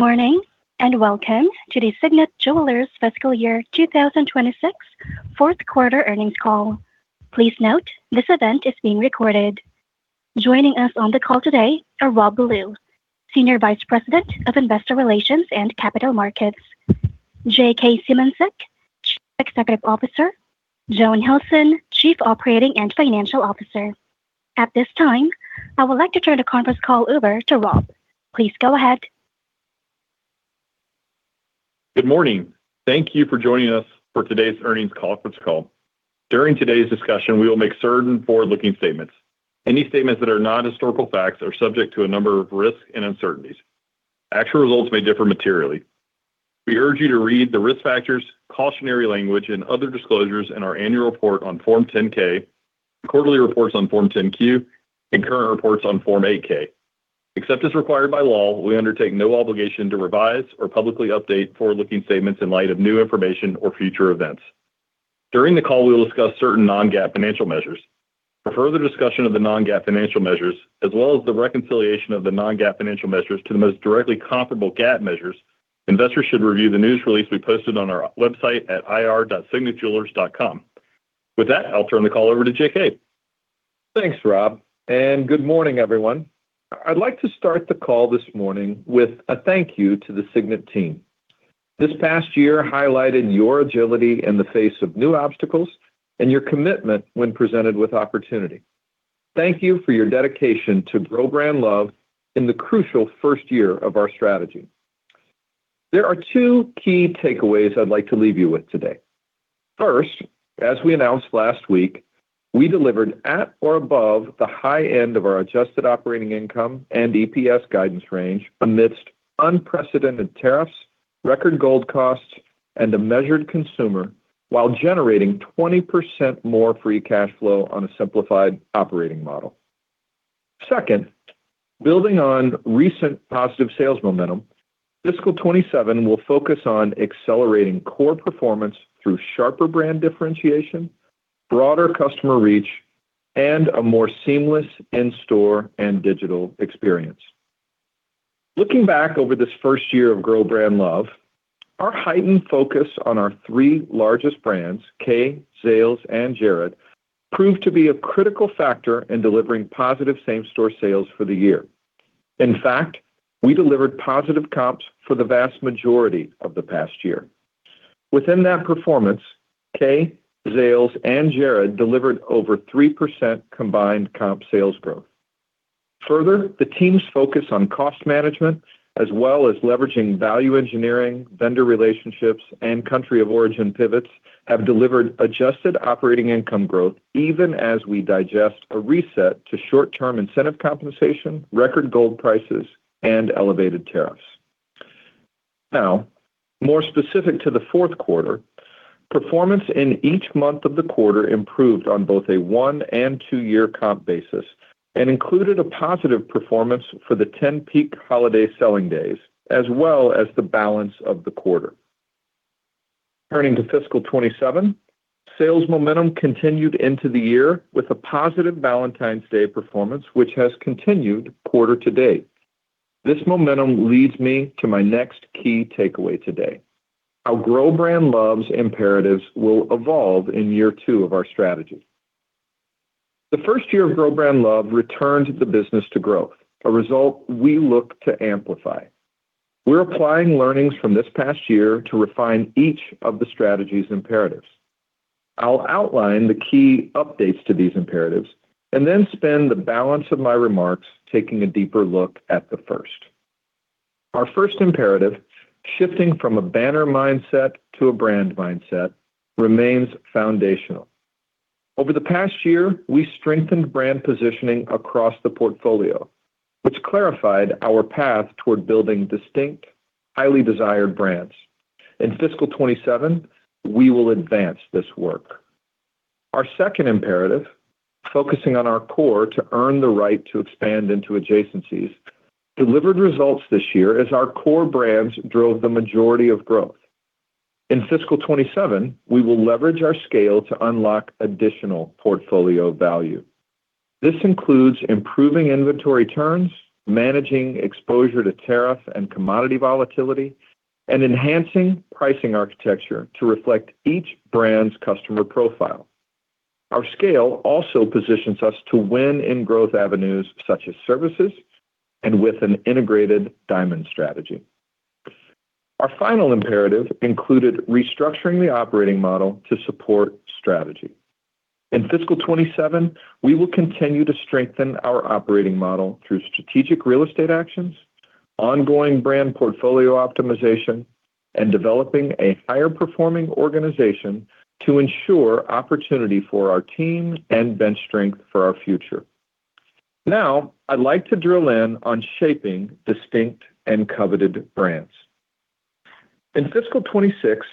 Good morning, and welcome to the Signet Jewelers fiscal year 2026 fourth quarter earnings call. Please note, this event is being recorded. Joining us on the call today are Rob Ballew, Senior Vice President of Investor Relations & Capital Markets. J.K. Symancyk, Chief Executive Officer. Joan Hilson, Chief Operating and Financial Officer. At this time, I would like to turn the conference call over to Rob. Please go ahead. Good morning. Thank you for joining us for today's earnings conference call. During today's discussion, we will make certain forward-looking statements. Any statements that are not historical facts are subject to a number of risks and uncertainties. Actual results may differ materially. We urge you to read the risk factors, cautionary language, and other disclosures in our annual report on Form 10-K, quarterly reports on Form 10-Q, and current reports on Form 8-K. Except as required by law, we undertake no obligation to revise or publicly update forward-looking statements in light of new information or future events. During the call, we will discuss certain non-GAAP financial measures. For further discussion of the non-GAAP financial measures, as well as the reconciliation of the non-GAAP financial measures to the most directly comparable GAAP measures, investors should review the news release we posted on our website at ir.signetjewelers.com. With that, I'll turn the call over to J.K. Thanks, Rob, and good morning, everyone. I'd like to start the call this morning with a thank you to the Signet team. This past year highlighted your agility in the face of new obstacles and your commitment when presented with opportunity. Thank you for your dedication to Grow Brand Love in the crucial first year of our strategy. There are two key takeaways I'd like to leave you with today. First, as we announced last week, we delivered at or above the high end of our adjusted operating income and EPS guidance range amidst unprecedented tariffs, record gold costs, and a measured consumer, while generating 20% more free cash flow on a simplified operating model. Second, building on recent positive sales momentum, fiscal 2027 will focus on accelerating core performance through sharper brand differentiation, broader customer reach, and a more seamless in-store and digital experience. Looking back over this first year of Grow Brand Love, our heightened focus on our three largest brands, Kay, Zales, and Jared, proved to be a critical factor in delivering positive same-store sales for the year. In fact, we delivered positive comps for the vast majority of the past year. Within that performance, Kay, Zales, and Jared delivered over 3% combined comp sales growth. Further, the team's focus on cost management, as well as leveraging value engineering, vendor relationships, and country of origin pivots, have delivered adjusted operating income growth even as we digest a reset to short-term incentive compensation, record gold prices, and elevated tariffs. Now, more specific to the fourth quarter, performance in each month of the quarter improved on both a one- and two-year comp basis and included a positive performance for the 10 peak holiday selling days, as well as the balance of the quarter. Turning to fiscal 2027, sales momentum continued into the year with a positive Valentine's Day performance, which has continued quarter-to-date. This momentum leads me to my next key takeaway today, how Grow Brand Love's imperatives will evolve in year two of our strategy. The first year of Grow Brand Love returned the business to growth, a result we look to amplify. We're applying learnings from this past year to refine each of the strategy's imperatives. I'll outline the key updates to these imperatives and then spend the balance of my remarks taking a deeper look at the first. Our first imperative, shifting from a banner mindset to a brand mindset, remains foundational. Over the past year, we strengthened brand positioning across the portfolio, which clarified our path toward building distinct, highly desired brands. In fiscal 2027, we will advance this work. Our second imperative, focusing on our core to earn the right to expand into adjacencies, delivered results this year as our core brands drove the majority of growth. In fiscal 2027, we will leverage our scale to unlock additional portfolio value. This includes improving inventory turns, managing exposure to tariff and commodity volatility, and enhancing pricing architecture to reflect each brand's customer profile. Our scale also positions us to win in growth avenues such as services and with an integrated diamond strategy. Our final imperative included restructuring the operating model to support strategy. In fiscal 2027, we will continue to strengthen our operating model through strategic real estate actions, ongoing brand portfolio optimization, and developing a higher-performing organization to ensure opportunity for our team and bench strength for our future. Now, I'd like to drill in on shaping distinct and coveted brands. In fiscal 2026,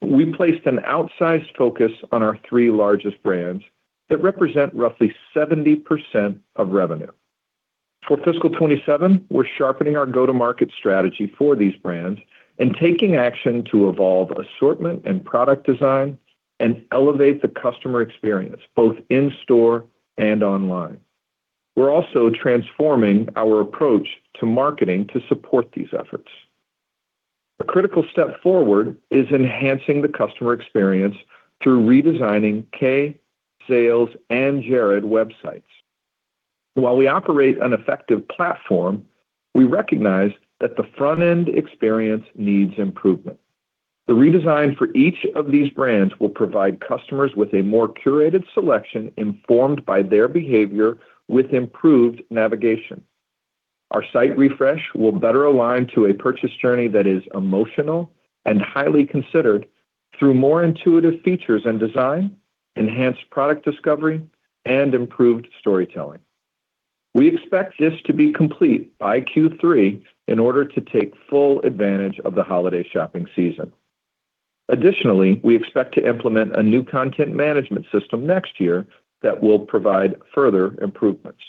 we placed an outsized focus on our three largest brands that represent roughly 70% of revenue. For fiscal 2027, we're sharpening our go-to-market strategy for these brands and taking action to evolve assortment and product design and elevate the customer experience, both in-store and online. We're also transforming our approach to marketing to support these efforts. A critical step forward is enhancing the customer experience through redesigning Kay, Zales, and Jared websites. While we operate an effective platform, we recognize that the front-end experience needs improvement. The redesign for each of these brands will provide customers with a more curated selection informed by their behavior with improved navigation. Our site refresh will better align to a purchase journey that is emotional and highly considered through more intuitive features and design, enhanced product discovery, and improved storytelling. We expect this to be complete by Q3 in order to take full advantage of the holiday shopping season. Additionally, we expect to implement a new content management system next year that will provide further improvements.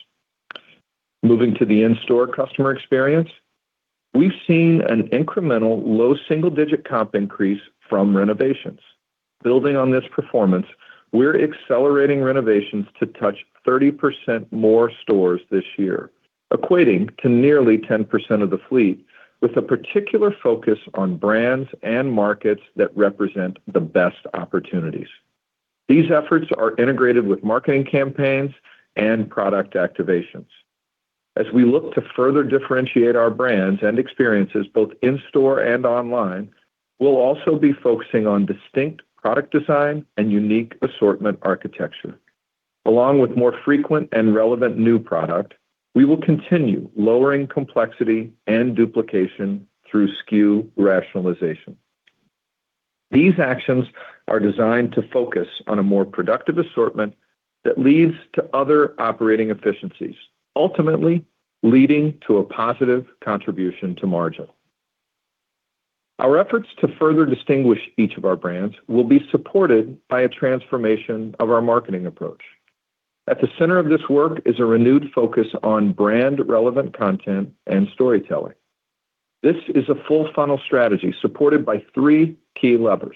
Moving to the in-store customer experience, we've seen an incremental low single-digit comp increase from renovations. Building on this performance, we're accelerating renovations to touch 30% more stores this year, equating to nearly 10% of the fleet, with a particular focus on brands and markets that represent the best opportunities. These efforts are integrated with marketing campaigns and product activations. As we look to further differentiate our brands and experiences, both in-store and online, we'll also be focusing on distinct product design and unique assortment architecture. Along with more frequent and relevant new product, we will continue lowering complexity and duplication through SKU rationalization. These actions are designed to focus on a more productive assortment that leads to other operating efficiencies, ultimately leading to a positive contribution to margin. Our efforts to further distinguish each of our brands will be supported by a transformation of our marketing approach. At the center of this work is a renewed focus on brand-relevant content and storytelling. This is a full-funnel strategy supported by three key levers.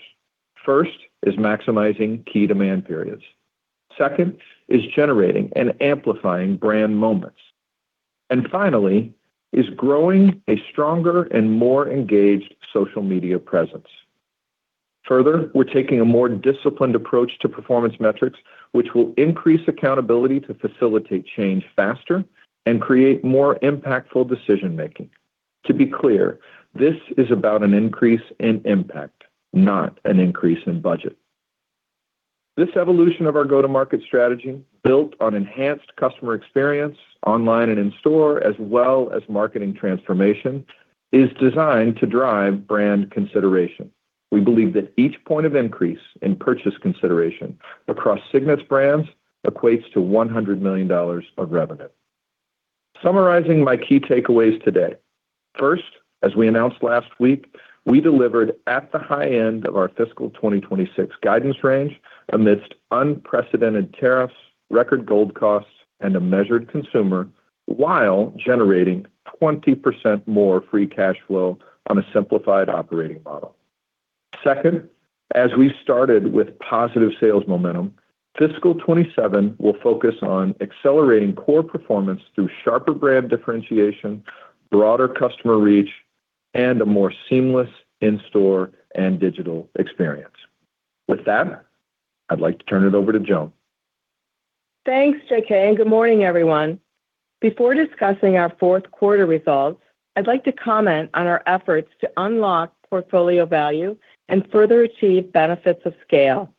First is maximizing key demand periods. Second is generating and amplifying brand moments, and finally is growing a stronger and more engaged social media presence. Further, we're taking a more disciplined approach to performance metrics, which will increase accountability to facilitate change faster and create more impactful decision-making. To be clear, this is about an increase in impact, not an increase in budget. This evolution of our go-to-market strategy, built on enhanced customer experience online and in-store, as well as marketing transformation, is designed to drive brand consideration. We believe that each point of increase in purchase consideration across Signet's brands equates to $100 million of revenue. Summarizing my key takeaways today. First, as we announced last week, we delivered at the high end of our fiscal 2026 guidance range amidst unprecedented tariffs, record gold costs, and a measured consumer, while generating 20% more free cash flow on a simplified operating model. Second, as we started with positive sales momentum, fiscal 2027 will focus on accelerating core performance through sharper brand differentiation, broader customer reach, and a more seamless in-store and digital experience. With that, I'd like to turn it over to Joan. Thanks, J.K., and good morning, everyone. Before discussing our fourth quarter results, I'd like to comment on our efforts to unlock portfolio value and further achieve benefits of scale.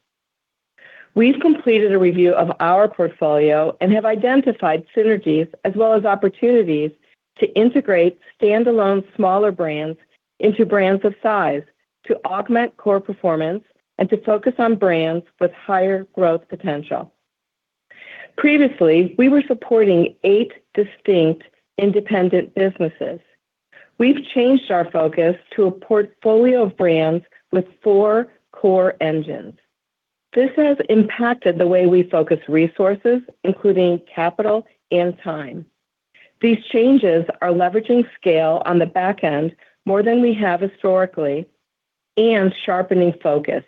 We've completed a review of our portfolio and have identified synergies as well as opportunities to integrate standalone smaller brands into brands of size to augment core performance and to focus on brands with higher growth potential. Previously, we were supporting eight distinct independent businesses. We've changed our focus to a portfolio of brands with four core engines. This has impacted the way we focus resources, including capital and time. These changes are leveraging scale on the back end more than we have historically and sharpening focus.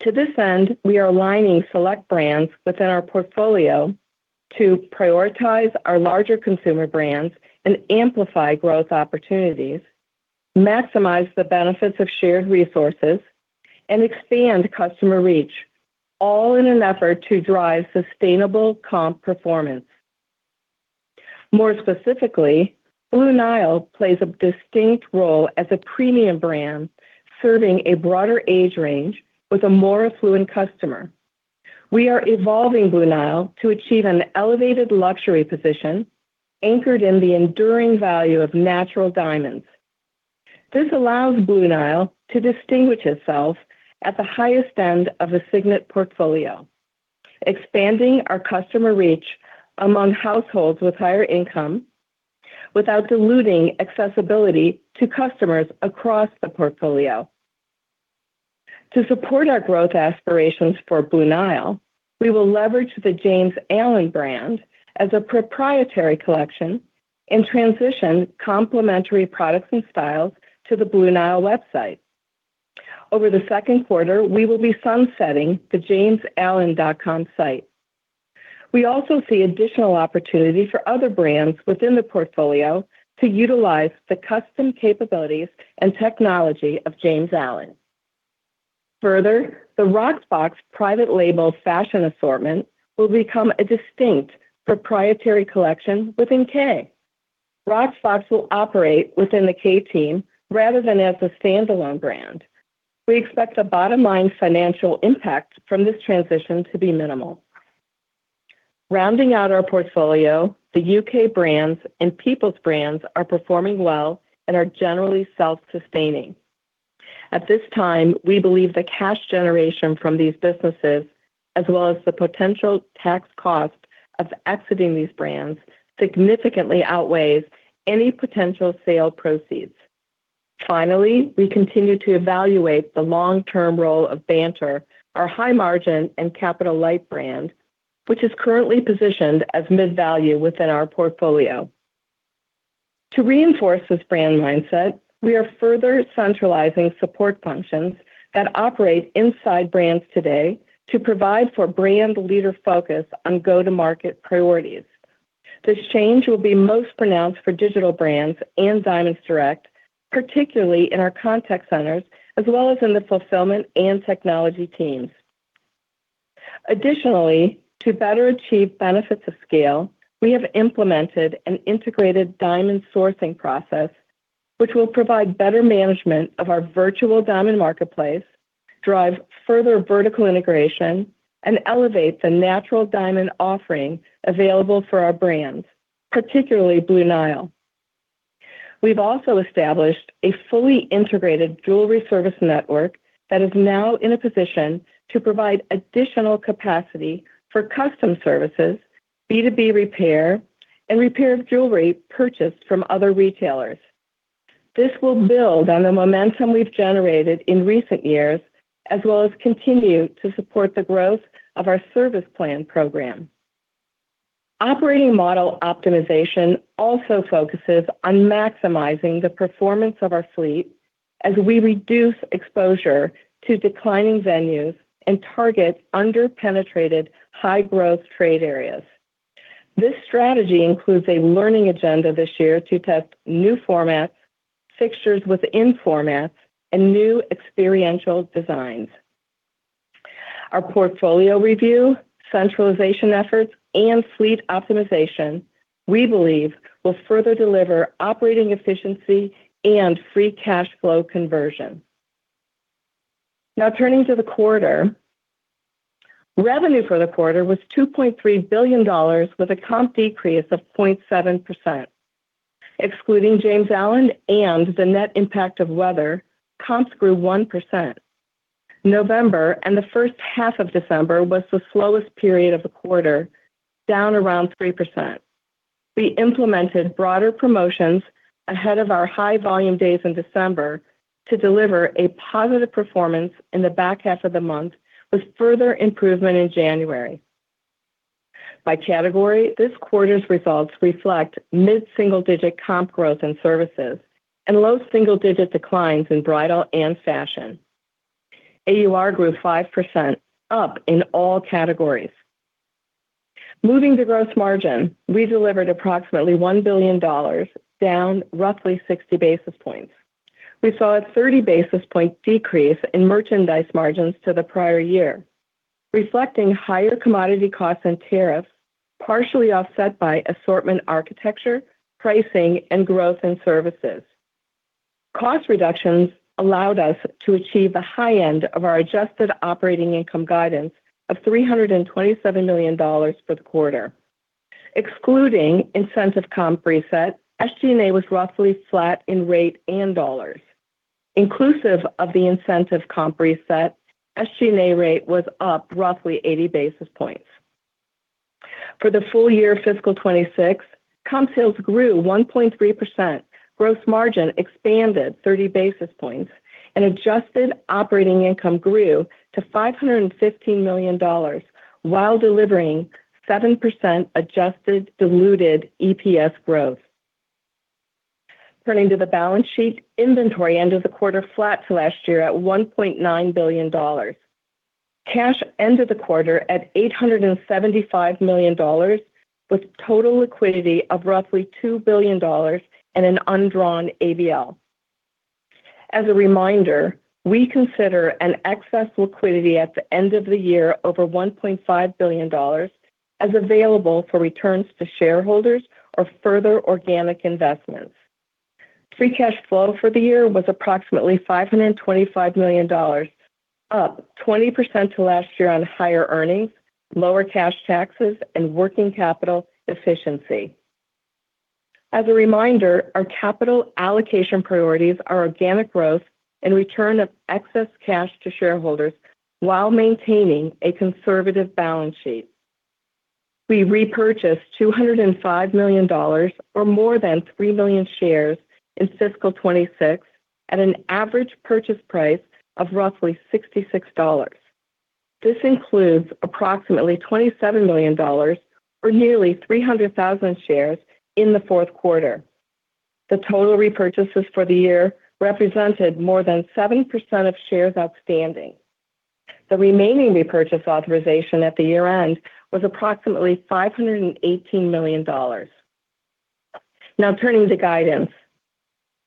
To this end, we are aligning select brands within our portfolio to prioritize our larger consumer brands and amplify growth opportunities, maximize the benefits of shared resources, and expand customer reach, all in an effort to drive sustainable comp performance. More specifically, Blue Nile plays a distinct role as a premium brand serving a broader age range with a more affluent customer. We are evolving Blue Nile to achieve an elevated luxury position anchored in the enduring value of natural diamonds. This allows Blue Nile to distinguish itself at the highest end of the Signet portfolio, expanding our customer reach among households with higher income without diluting accessibility to customers across the portfolio. To support our growth aspirations for Blue Nile, we will leverage the James Allen brand as a proprietary collection and transition complementary products and styles to the Blue Nile website. Over the second quarter, we will be sunsetting the JamesAllen.com site. We also see additional opportunity for other brands within the portfolio to utilize the custom capabilities and technology of James Allen. Further, the Rocksbox private label fashion assortment will become a distinct proprietary collection within Kay. Rocksbox will operate within the Kay team rather than as a standalone brand. We expect the bottom line financial impact from this transition to be minimal. Rounding out our portfolio, the UK brands and Peoples brands are performing well and are generally self-sustaining. At this time, we believe the cash generation from these businesses, as well as the potential tax cost of exiting these brands, significantly outweighs any potential sale proceeds. Finally, we continue to evaluate the long-term role of Banter, our high-margin and capital-light brand, which is currently positioned as mid-value within our portfolio. To reinforce this brand mindset, we are further centralizing support functions that operate inside brands today to provide for brand leader focus on go-to-market priorities. This change will be most pronounced for digital brands and Diamonds Direct, particularly in our contact centers, as well as in the fulfillment and technology teams. Additionally, to better achieve benefits of scale, we have implemented an integrated diamond sourcing process which will provide better management of our virtual diamond marketplace, drive further vertical integration, and elevate the natural diamond offering available for our brands, particularly Blue Nile. We've also established a fully integrated jewelry service network that is now in a position to provide additional capacity for custom services, B2B repair, and repair of jewelry purchased from other retailers. This will build on the momentum we've generated in recent years, as well as continue to support the growth of our service plan program. Operating model optimization also focuses on maximizing the performance of our fleet as we reduce exposure to declining venues and target under-penetrated high-growth trade areas. This strategy includes a learning agenda this year to test new formats, fixtures within formats, and new experiential designs. Our portfolio review, centralization efforts, and fleet optimization, we believe, will further deliver operating efficiency and free cash flow conversion. Now turning to the quarter. Revenue for the quarter was $2.3 billion with a comp decrease of 0.7%. Excluding JamesAllen.com and the net impact of weather, comps grew 1%. November and the H1 of December was the slowest period of the quarter, down around 3%. We implemented broader promotions ahead of our high-volume days in December to deliver a positive performance in the back half of the month, with further improvement in January. By category, this quarter's results reflect mid-single-digit comp growth in services and low single-digit declines in bridal and fashion. AUR grew 5%, up in all categories. Moving to gross margin, we delivered approximately $1 billion, down roughly 60 basis points. We saw a 30 basis point decrease in merchandise margins to the prior year, reflecting higher commodity costs and tariffs, partially offset by assortment architecture, pricing, and growth in services. Cost reductions allowed us to achieve the high end of our adjusted operating income guidance of $327 million for the quarter. Excluding incentive comp reset, SG&A was roughly flat in rate and dollars. Inclusive of the incentive comp reset, SG&A rate was up roughly 80 basis points. For the full year fiscal 2026, comp sales grew 1.3%, gross margin expanded 30 basis points, and adjusted operating income grew to $515 million while delivering 7% adjusted diluted EPS growth. Turning to the balance sheet, inventory ended the quarter flat to last year at $1.9 billion. Cash ended the quarter at $875 million, with total liquidity of roughly $2 billion and an undrawn ABL. As a reminder, we consider an excess liquidity at the end of the year over $1.5 billion as available for returns to shareholders or further organic investments. Free cash flow for the year was approximately $525 million, up 20% to last year on higher earnings, lower cash taxes, and working capital efficiency. As a reminder, our capital allocation priorities are organic growth and return of excess cash to shareholders while maintaining a conservative balance sheet. We repurchased $205 million or more than 3 million shares in fiscal 2026 at an average purchase price of roughly $66. This includes approximately $27 million or nearly 300,000 shares in the fourth quarter. The total repurchases for the year represented more than 7% of shares outstanding. The remaining repurchase authorization at the year-end was approximately $518 million. Now turning to guidance.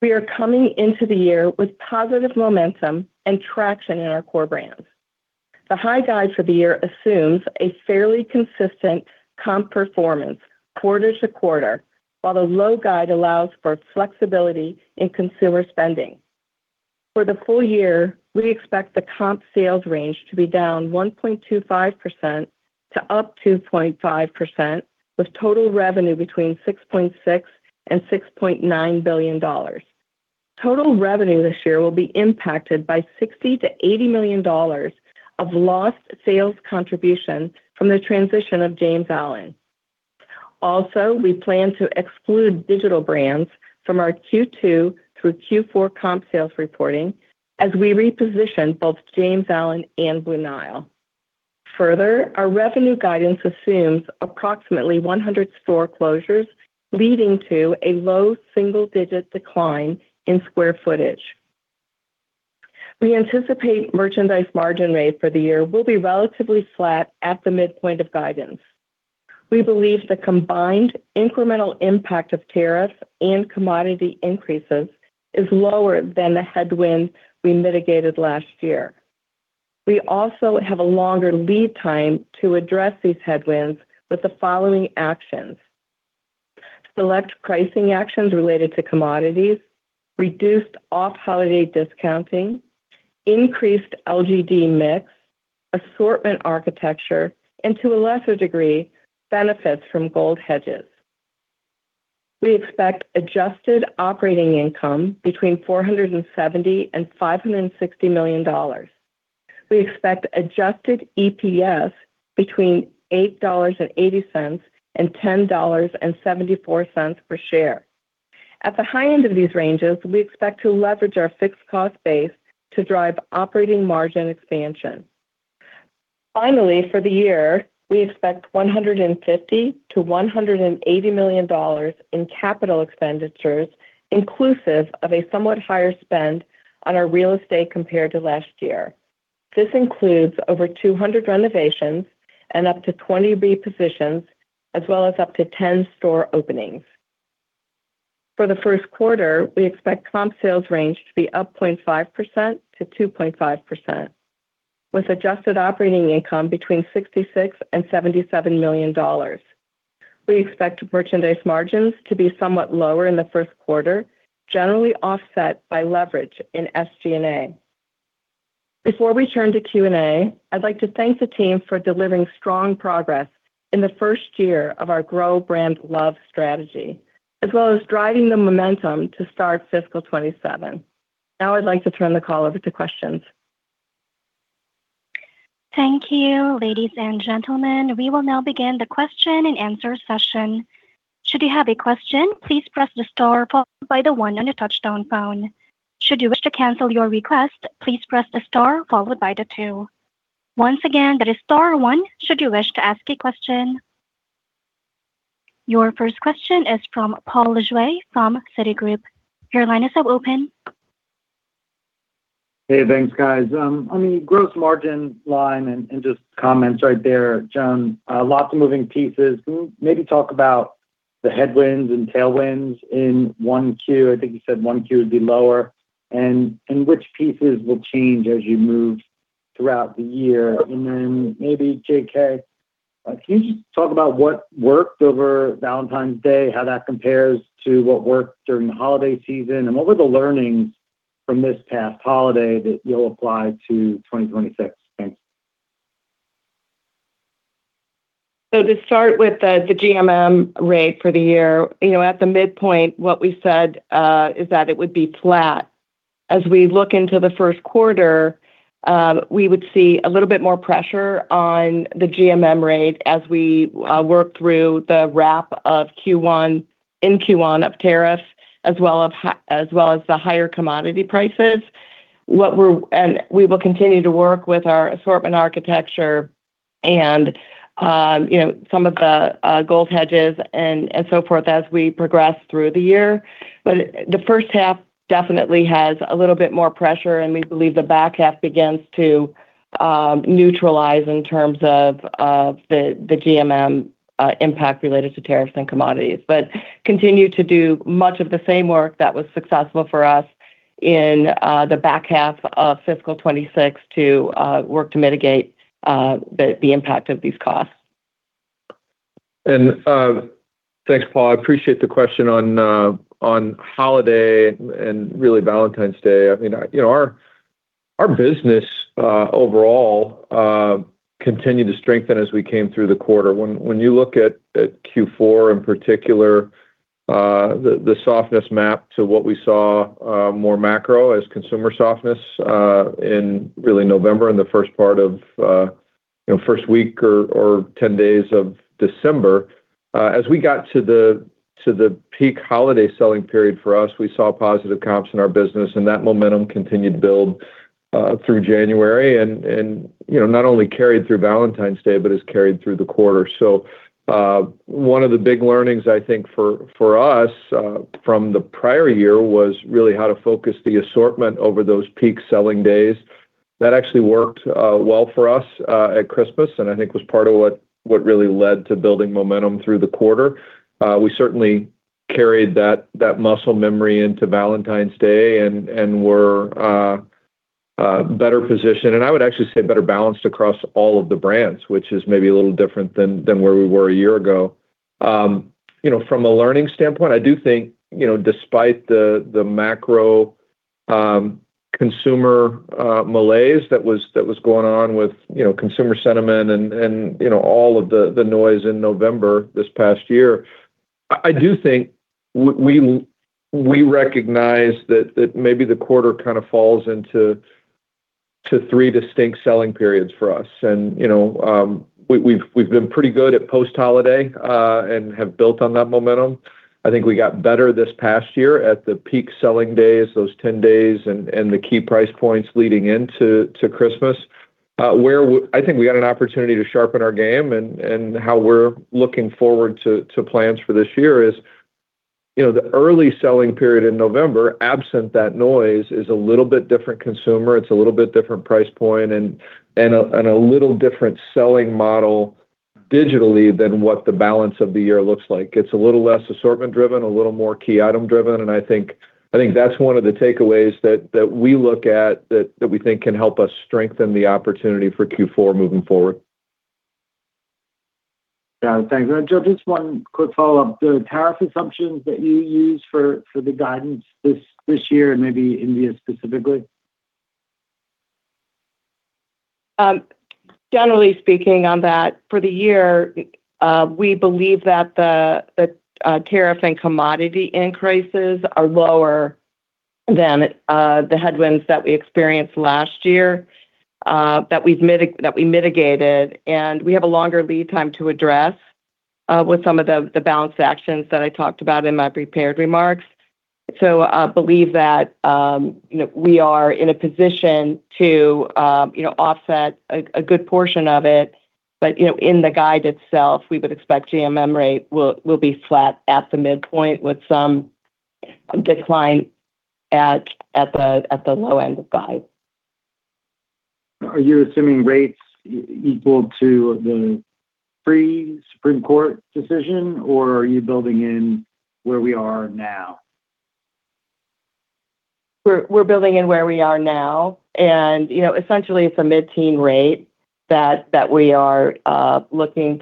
We are coming into the year with positive momentum and traction in our core brands. The high guide for the year assumes a fairly consistent comp performance quarter-to-quarter, while the low guide allows for flexibility in consumer spending. For the full year, we expect the comp sales range to be down 1.25% to up 2.5%, with total revenue between $6.6 billion and $6.9 billion. Total revenue this year will be impacted by $60 million-$80 million of lost sales contribution from the transition of JamesAllen.com. Also, we plan to exclude digital brands from our Q2 through Q4 comp sales reporting as we reposition both JamesAllen.com and Blue Nile. Further, our revenue guidance assumes approximately 100 store closures, leading to a low single-digit decline in square footage. We anticipate merchandise margin rate for the year will be relatively flat at the midpoint of guidance. We believe the combined incremental impact of tariffs and commodity increases is lower than the headwind we mitigated last year. We also have a longer lead time to address these headwinds with the following actions, select pricing actions related to commodities, reduced off-holiday discounting, increased LGD mix, assortment architecture, and to a lesser degree, benefits from gold hedges. We expect adjusted operating income between $470 million and $560 million. We expect Adjusted EPS between $8.80 and $10.74 per share. At the high end of these ranges, we expect to leverage our fixed cost base to drive operating margin expansion. Finally, for the year, we expect $150 million-$180 million in capital expenditures, inclusive of a somewhat higher spend on our real estate compared to last year. This includes over 200 renovations and up to 20 repositions, as well as up to 10 store openings. For the first quarter, we expect comp sales range to be up 0.5%-2.5%, with adjusted operating income between $66 million and $77 million. We expect merchandise margins to be somewhat lower in the first quarter, generally offset by leverage in SG&A. Before we turn to Q&A, I'd like to thank the team for delivering strong progress in the first year of our Grow Brand Love strategy, as well as driving the momentum to start fiscal 2027. Now I'd like to turn the call over to questions. Thank you, ladies and gentlemen. We will now begin the question-and-answer session. Should you have a question, please press the star followed by the one on your touch-tone phone. Should you wish to cancel your request, please press the star followed by the two. Once again, that is star one, should you wish to ask a question. Your first question is from Paul Lejuez from Citigroup. Your line is now open. Hey, thanks, guys. On the gross margin line and just comments right there, Joan, lots of moving pieces. Maybe talk about the headwinds and tailwinds in 1Q. I think you said 1Q would be lower. Which pieces will change as you move throughout the year? Then maybe J.K., can you just talk about what worked over Valentine's Day, how that compares to what worked during the holiday season, and what were the learnings from this past holiday that you'll apply to 2026? Thanks. To start with the GMM rate for the year, you know, at the midpoint, what we said is that it would be flat. As we look into the first quarter, we would see a little bit more pressure on the GMM rate as we work through the lapping in Q1 of tariffs as well as the higher commodity prices. We will continue to work with our assortment architecture and, you know, some of the gold hedges and so forth as we progress through the year. The H1 definitely has a little bit more pressure, and we believe the back half begins to neutralize in terms of the GMM impact related to tariffs and commodities. Continue to do much of the same work that was successful for us in the back half of fiscal 2026 to work to mitigate the impact of these costs. Thanks, Paul. I appreciate the question on holiday and really Valentine's Day. I mean, you know, our business overall continued to strengthen as we came through the quarter. When you look at Q4 in particular, the softness mapped to what we saw more macro as consumer softness in really November and the first part of, you know, first week or ten days of December. As we got to the peak holiday selling period for us, we saw positive comps in our business, and that momentum continued to build through January and, you know, not only carried through Valentine's Day but has carried through the quarter. One of the big learnings, I think, for us from the prior year was really how to focus the assortment over those peak selling days. That actually worked well for us at Christmas and I think was part of what really led to building momentum through the quarter. We certainly carried that muscle memory into Valentine's Day and were better positioned, and I would actually say better balanced across all of the brands, which is maybe a little different than where we were a year ago. You know, from a learning standpoint, I do think, you know, despite the macro consumer malaise that was going on with, you know, consumer sentiment and you know, all of the noise in November this past year, I do think we recognize that maybe the quarter kind of falls into three distinct selling periods for us. You know, we've been pretty good at post-holiday and have built on that momentum. I think we got better this past year at the peak selling days, those ten days, and the key price points leading into Christmas. I think we had an opportunity to sharpen our game and how we're looking forward to plans for this year is, you know, the early selling period in November, absent that noise, is a little bit different consumer. It's a little bit different price point and a little different selling model digitally than what the balance of the year looks like. It's a little less assortment-driven, a little more key item-driven, and I think that's one of the takeaways that we look at that we think can help us strengthen the opportunity for Q4 moving forward. Got it. Thanks. Joan Hilson, just one quick follow-up. The tariff assumptions that you used for the guidance this year and maybe India specifically? Generally speaking on that, for the year, we believe that the tariff and commodity increases are lower than the headwinds that we experienced last year that we mitigated. We have a longer lead time to address with some of the balance actions that I talked about in my prepared remarks. I believe that, you know, we are in a position to, you know, offset a good portion of it. You know, in the guide itself, we would expect GMM rate will be flat at the midpoint with some decline at the low end of the guide. Are you assuming rates equal to the pre-Supreme Court decision, or are you building in where we are now? We're building in where we are now. You know, essentially it's a mid-teen rate that we are looking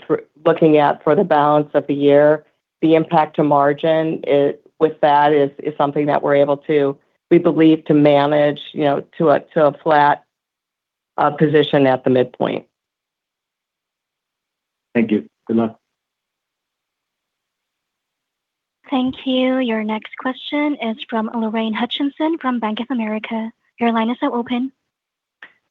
at for the balance of the year. The impact to margin with that is something that we're able to, we believe, to manage, you know, to a flat position at the midpoint. Thank you. Good luck. Thank you. Your next question is from Lorraine Hutchinson from Bank of America. Your line is now open.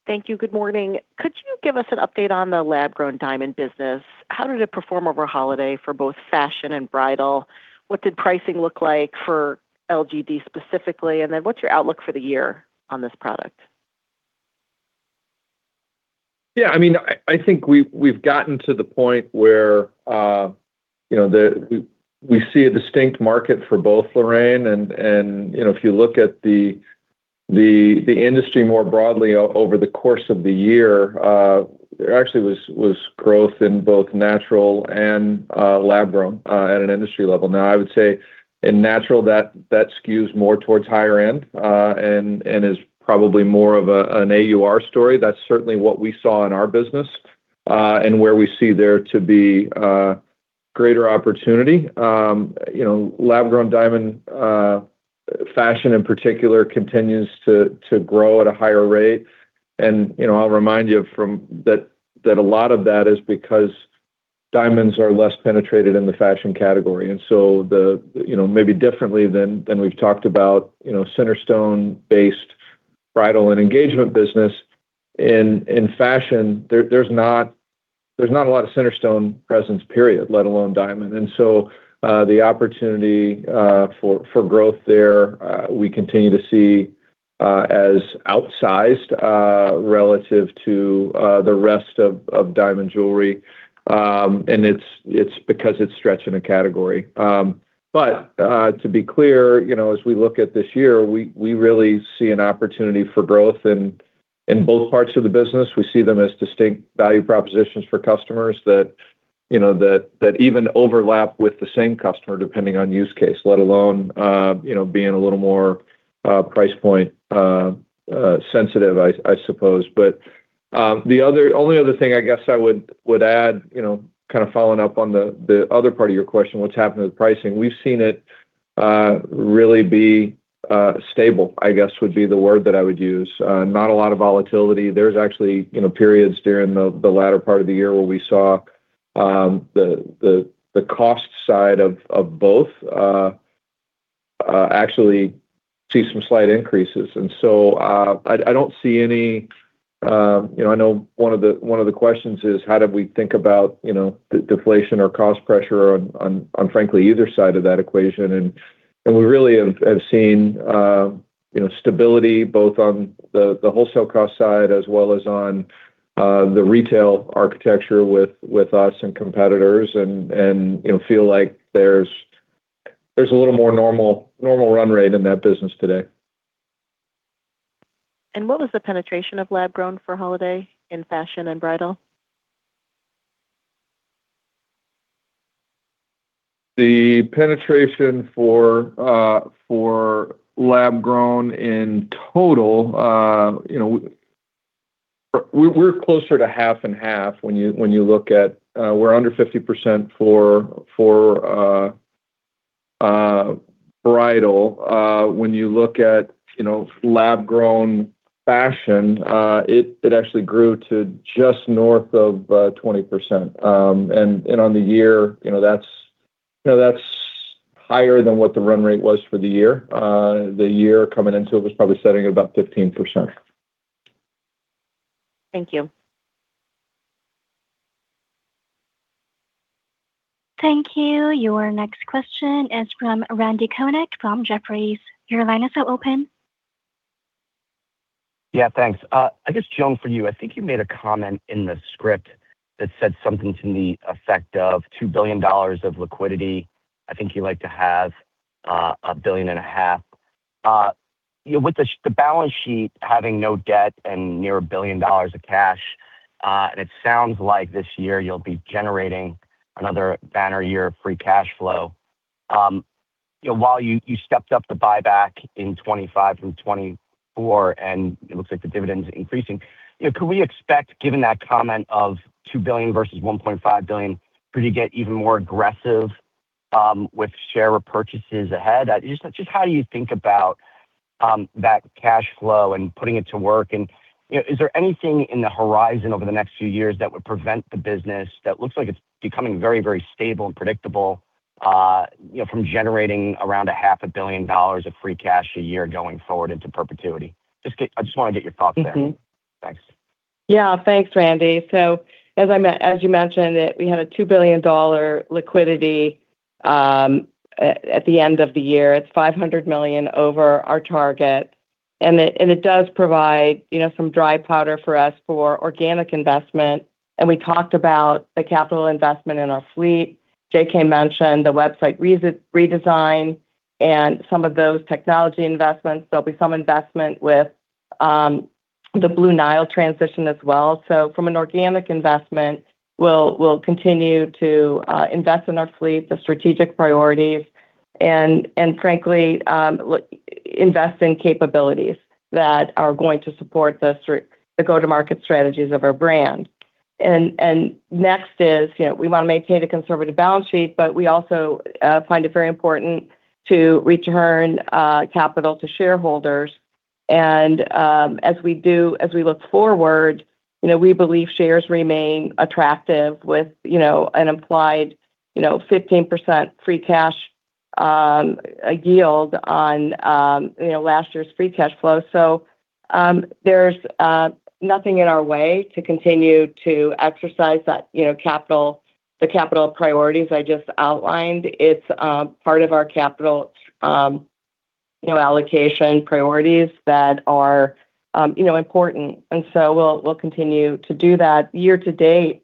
Thank you. Good morning. Could you give us an update on the lab-grown diamond business? How did it perform over holiday for both fashion and bridal? What did pricing look like for LGD specifically, and then what's your outlook for the year on this product? Yeah, I mean, I think we've gotten to the point where, you know, we see a distinct market for both, Lorraine. You know, if you look at the industry more broadly over the course of the year, there actually was growth in both natural and lab-grown at an industry level. Now, I would say in natural, that skews more towards higher end, and is probably more of an AUR story. That's certainly what we saw in our business, and where we see there to be greater opportunity. You know, lab-grown diamond fashion in particular continues to grow at a higher rate. You know, I'll remind you that a lot of that is because diamonds are less penetrated in the fashion category. You know, maybe differently than we've talked about center stone-based bridal and engagement business. In fashion, there's not a lot of center stone presence, period, let alone diamond. The opportunity for growth there we continue to see as outsized relative to the rest of diamond jewelry. And it's because it's stretching a category. But to be clear, you know, as we look at this year, we really see an opportunity for growth in both parts of the business. We see them as distinct value propositions for customers that you know that even overlap with the same customer, depending on use case, let alone you know being a little more price point sensitive, I suppose. The only other thing I guess I would add, you know, kind of following up on the other part of your question, what's happening with pricing? We've seen it really be stable, I guess would be the word that I would use. Not a lot of volatility. There's actually, you know, periods during the latter part of the year where we saw the cost side of both actually see some slight increases. I don't see any. You know, I know one of the questions is how do we think about, you know, deflation or cost pressure on frankly either side of that equation. We really have seen, you know, stability both on the wholesale cost side as well as on the retail architecture with us and competitors, and, you know, feel like there's a little more normal run rate in that business today. What was the penetration of lab-grown for holiday in fashion and bridal? The penetration for lab-grown in total, you know, we're closer to half and half when you look at, we're under 50% for bridal. When you look at lab-grown fashion, you know, it actually grew to just north of 20%. And on the year, you know, that's higher than what the run rate was for the year. The year coming into it was probably sitting at about 15%. Thank you. Thank you. Your next question is from Randal Konik from Jefferies. Your line is now open. Yeah, thanks. I guess, Joan, for you. I think you made a comment in the script that said something to the effect of $2 billion of liquidity. I think you like to have a $1.5 billion. You know, with the balance sheet having no debt and near $1 billion of cash, and it sounds like this year you'll be generating another banner year of free cash flow. You know, while you stepped up the buyback in 2025 through 2024, and it looks like the dividend is increasing. You know, could we expect, given that comment of $2 billion versus $1.5 billion, could you get even more aggressive with share repurchases ahead? Just how do you think about that cash flow and putting it to work? You know, is there anything on the horizon over the next few years that would prevent the business that looks like it's becoming very, very stable and predictable, from generating around a $500 billion of free cash a year going forward into perpetuity? I just wanna get your thoughts there. Mm-hmm. Thanks. Yeah. Thanks, Randy. As you mentioned, we had a $2 billion liquidity at the end of the year. It's $500 million over our target. It does provide, you know, some dry powder for us for organic investment. We talked about the capital investment in our fleet. J.K. mentioned the website redesign and some of those technology investments. There'll be some investment with the Blue Nile transition as well. From an organic investment, we'll continue to invest in our fleet, the strategic priorities and frankly invest in capabilities that are going to support the go-to-market strategies of our brand. Next is, you know, we want to maintain a conservative balance sheet, but we also find it very important to return capital to shareholders. As we look forward, you know, we believe shares remain attractive with, you know, an implied, you know, 15% free cash yield on, you know, last year's free cash flow. There's nothing in our way to continue to exercise that, you know, capital priorities I just outlined. It's part of our capital, you know, allocation priorities that are, you know, important, and we'll continue to do that. Year to date,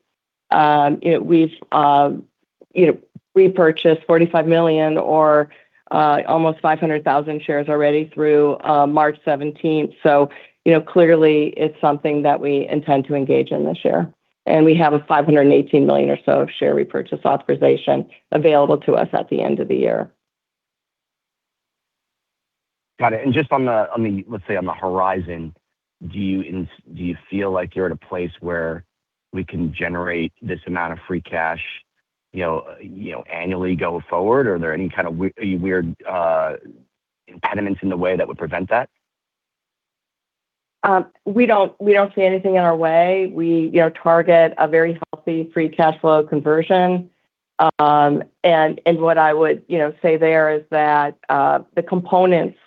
we've, you know, repurchased $45 million or almost 500,000 shares already through March 17. You know, clearly it's something that we intend to engage in this year. We have $518 million or so of share repurchase authorization available to us at the end of the year. Got it. Just, let's say, on the horizon, do you feel like you're at a place where we can generate this amount of free cash, you know, annually going forward? Or are there any kind of weird impediments in the way that would prevent that? We don't see anything in our way. We target a very healthy free cash flow conversion. What I would say there is that the components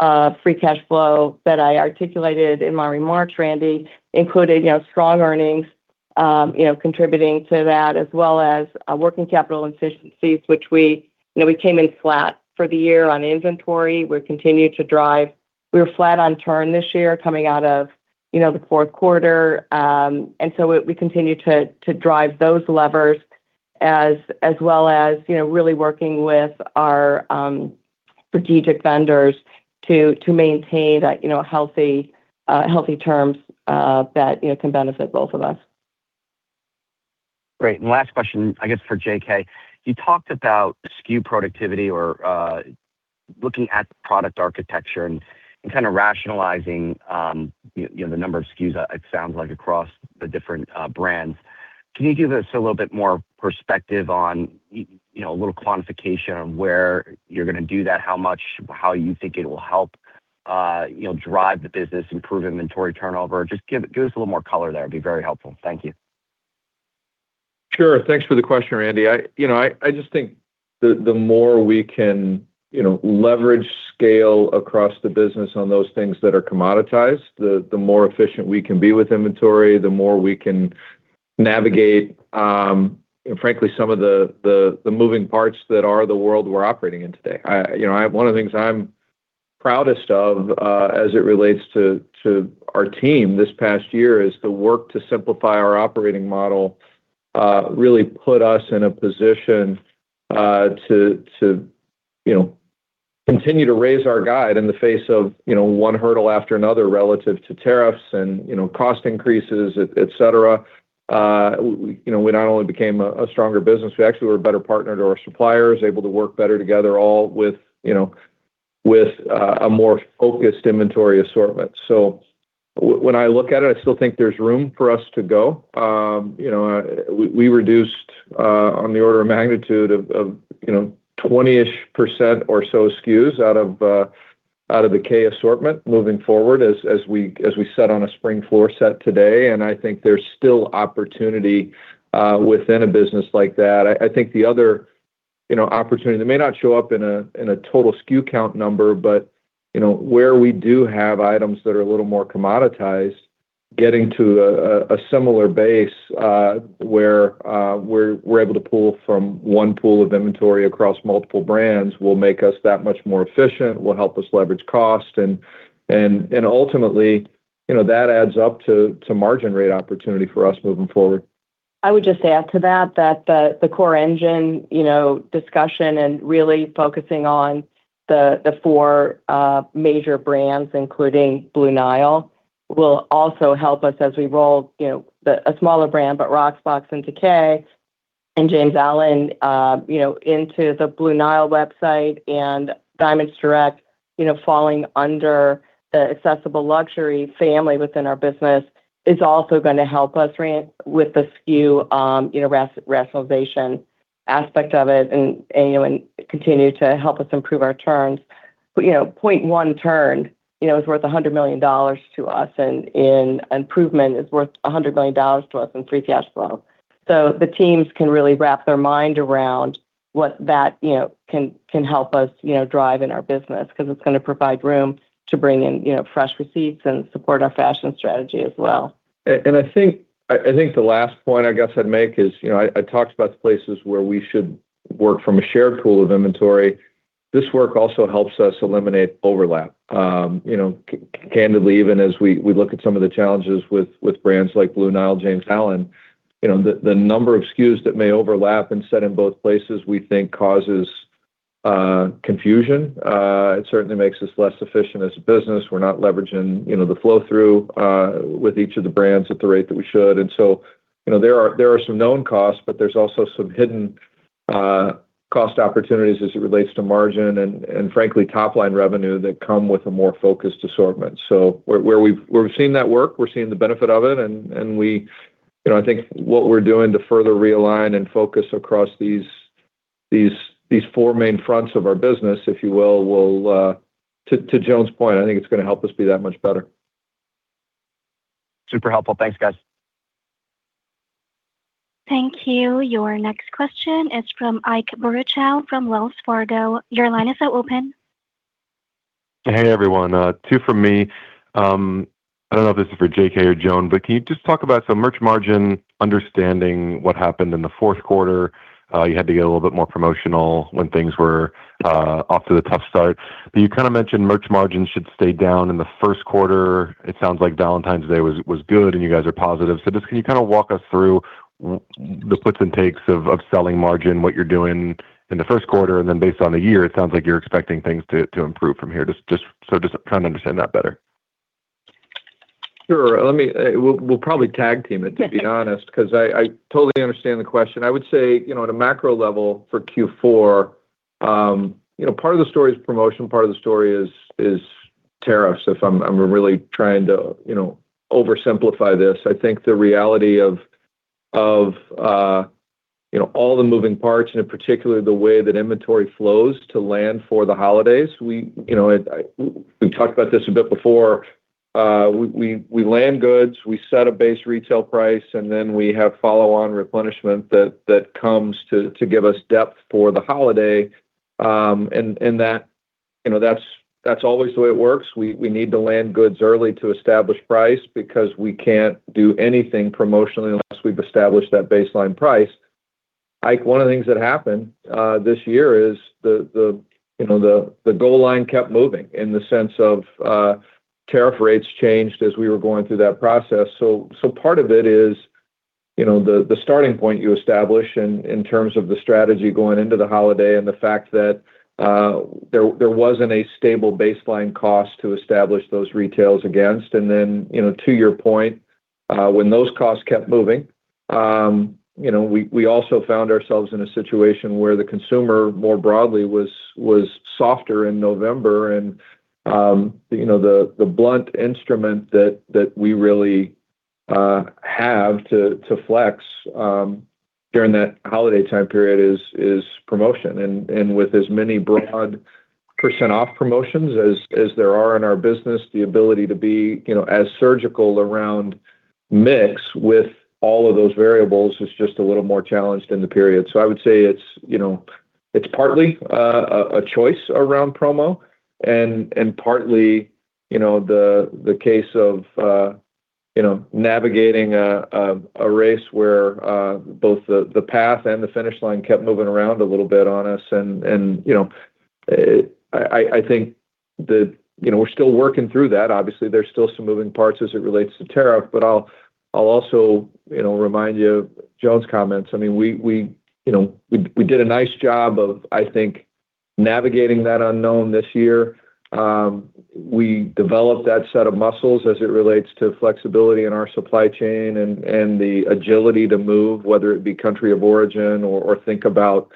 of free cash flow that I articulated in my remarks, Randal Konik, included strong earnings contributing to that, as well as working capital efficiencies, which we came in flat for the year on inventory. We're continuing to drive. We were flat on turns this year coming out of the fourth quarter. We continue to drive those levers as well as really working with our strategic vendors to maintain that healthy terms that can benefit both of us. Great. Last question, I guess, for J.K. You talked about SKU productivity or looking at the product architecture and kind of rationalizing you know the number of SKUs it sounds like across the different brands. Can you give us a little bit more perspective on you know a little quantification on where you're gonna do that? How much, how you think it will help you know drive the business, improve inventory turnover? Just give us a little more color there. It'd be very helpful. Thank you. Sure. Thanks for the question, Randy. You know, I just think the more we can leverage scale across the business on those things that are commoditized, the more efficient we can be with inventory, the more we can navigate and frankly some of the moving parts that are the world we're operating in today. You know, one of the things I'm proudest of as it relates to our team this past year is the work to simplify our operating model, really put us in a position to you know, continue to raise our guide in the face of you know, one hurdle after another relative to tariffs and you know, cost increases, et cetera. You know, we not only became a stronger business, we actually were a better partner to our suppliers, able to work better together, all with you know, with a more focused inventory assortment. When I look at it, I still think there's room for us to go. You know, we reduced on the order of magnitude of 20%-ish or so SKUs out of the Kay assortment moving forward as we set on a spring floor set today. I think there's still opportunity within a business like that. I think the other, you know, opportunity that may not show up in a total SKU count number, but you know, where we do have items that are a little more commoditized, getting to a similar base, where we're able to pull from one pool of inventory across multiple brands will make us that much more efficient, will help us leverage cost. Ultimately, you know, that adds up to margin rate opportunity for us moving forward. I would just add to that the core engine, you know, discussion and really focusing on the four major brands, including Blue Nile, will also help us as we roll, you know, a smaller brand, but Rocksbox into Kay and James Allen, you know, into the Blue Nile website and Diamonds Direct, you know, falling under the accessible luxury family within our business, is also gonna help us, Randy, with the SKU rationalization aspect of it and will continue to help us improve our turns. 0.1 turn, you know, is worth $100 million to us, and an improvement is worth $100 million to us in free cash flow. The teams can really wrap their mind around what that, you know, can help us, you know, drive in our business, 'cause it's gonna provide room to bring in, you know, fresh receipts and support our fashion strategy as well. I think the last point I guess I'd make is, you know, I talked about the places where we should work from a shared pool of inventory. This work also helps us eliminate overlap. Candidly, even as we look at some of the challenges with brands like Blue Nile, JamesAllen.com, you know, the number of SKUs that may overlap and sit in both places, we think causes confusion. It certainly makes us less efficient as a business. We're not leveraging the flow-through with each of the brands at the rate that we should. You know, there are some known costs, but there's also some hidden cost opportunities as it relates to margin and frankly, top-line revenue that come with a more focused assortment. Where we've seen that work, we're seeing the benefit of it. You know, I think what we're doing to further realign and focus across these four main fronts of our business, if you will to Joan's point, I think it's gonna help us be that much better. Super helpful. Thanks, guys. Thank you. Your next question is from Ike Boruchow from Wells Fargo. Your line is now open. Hey, everyone, two from me. I don't know if this is for J.K. or Joan, but can you just talk about some merch margin, understanding what happened in the fourth quarter? You had to get a little bit more promotional when things were off to the tough start. You kinda mentioned merch margins should stay down in the first quarter. It sounds like Valentine's Day was good, and you guys are positive. Just can you kinda walk us through the puts and takes of selling margin, what you're doing in the first quarter, and then based on the year, it sounds like you're expecting things to improve from here. Just so to kinda understand that better. Sure. We'll probably tag team it, to be honest, because I totally understand the question. I would say, you know, at a macro level for Q4, you know, part of the story is promotion, part of the story is tariffs, if I'm really trying to, you know, oversimplify this. I think the reality of, you know, all the moving parts and in particular the way that inventory flows to land for the holidays. We've talked about this a bit before. We land goods, we set a base retail price, and then we have follow-on replenishment that comes to give us depth for the holiday. That, you know, that's always the way it works. We need to land goods early to establish price because we can't do anything promotionally unless we've established that baseline price. Ike, one of the things that happened this year is, you know, the goal line kept moving in the sense of tariff rates changed as we were going through that process. Part of it is, you know, the starting point you establish in terms of the strategy going into the holiday and the fact that there wasn't a stable baseline cost to establish those retails against. You know, to your point, when those costs kept moving, you know, we also found ourselves in a situation where the consumer more broadly was softer in November. You know, the blunt instrument that we really have to flex during that holiday time period is promotion. With as many broad % off promotions as there are in our business, the ability to be, you know, as surgical around mix with all of those variables is just a little more challenged in the period. I would say it's, you know, it's partly a choice around promo and partly, you know, the case of, you know, navigating a race where both the path and the finish line kept moving around a little bit on us. You know, I think that, you know, we're still working through that. Obviously, there's still some moving parts as it relates to tariff. I'll also, you know, remind you of Joan's comments. I mean, we you know did a nice job of, I think, navigating that unknown this year. We developed that set of muscles as it relates to flexibility in our supply chain and the agility to move, whether it be country of origin or think about,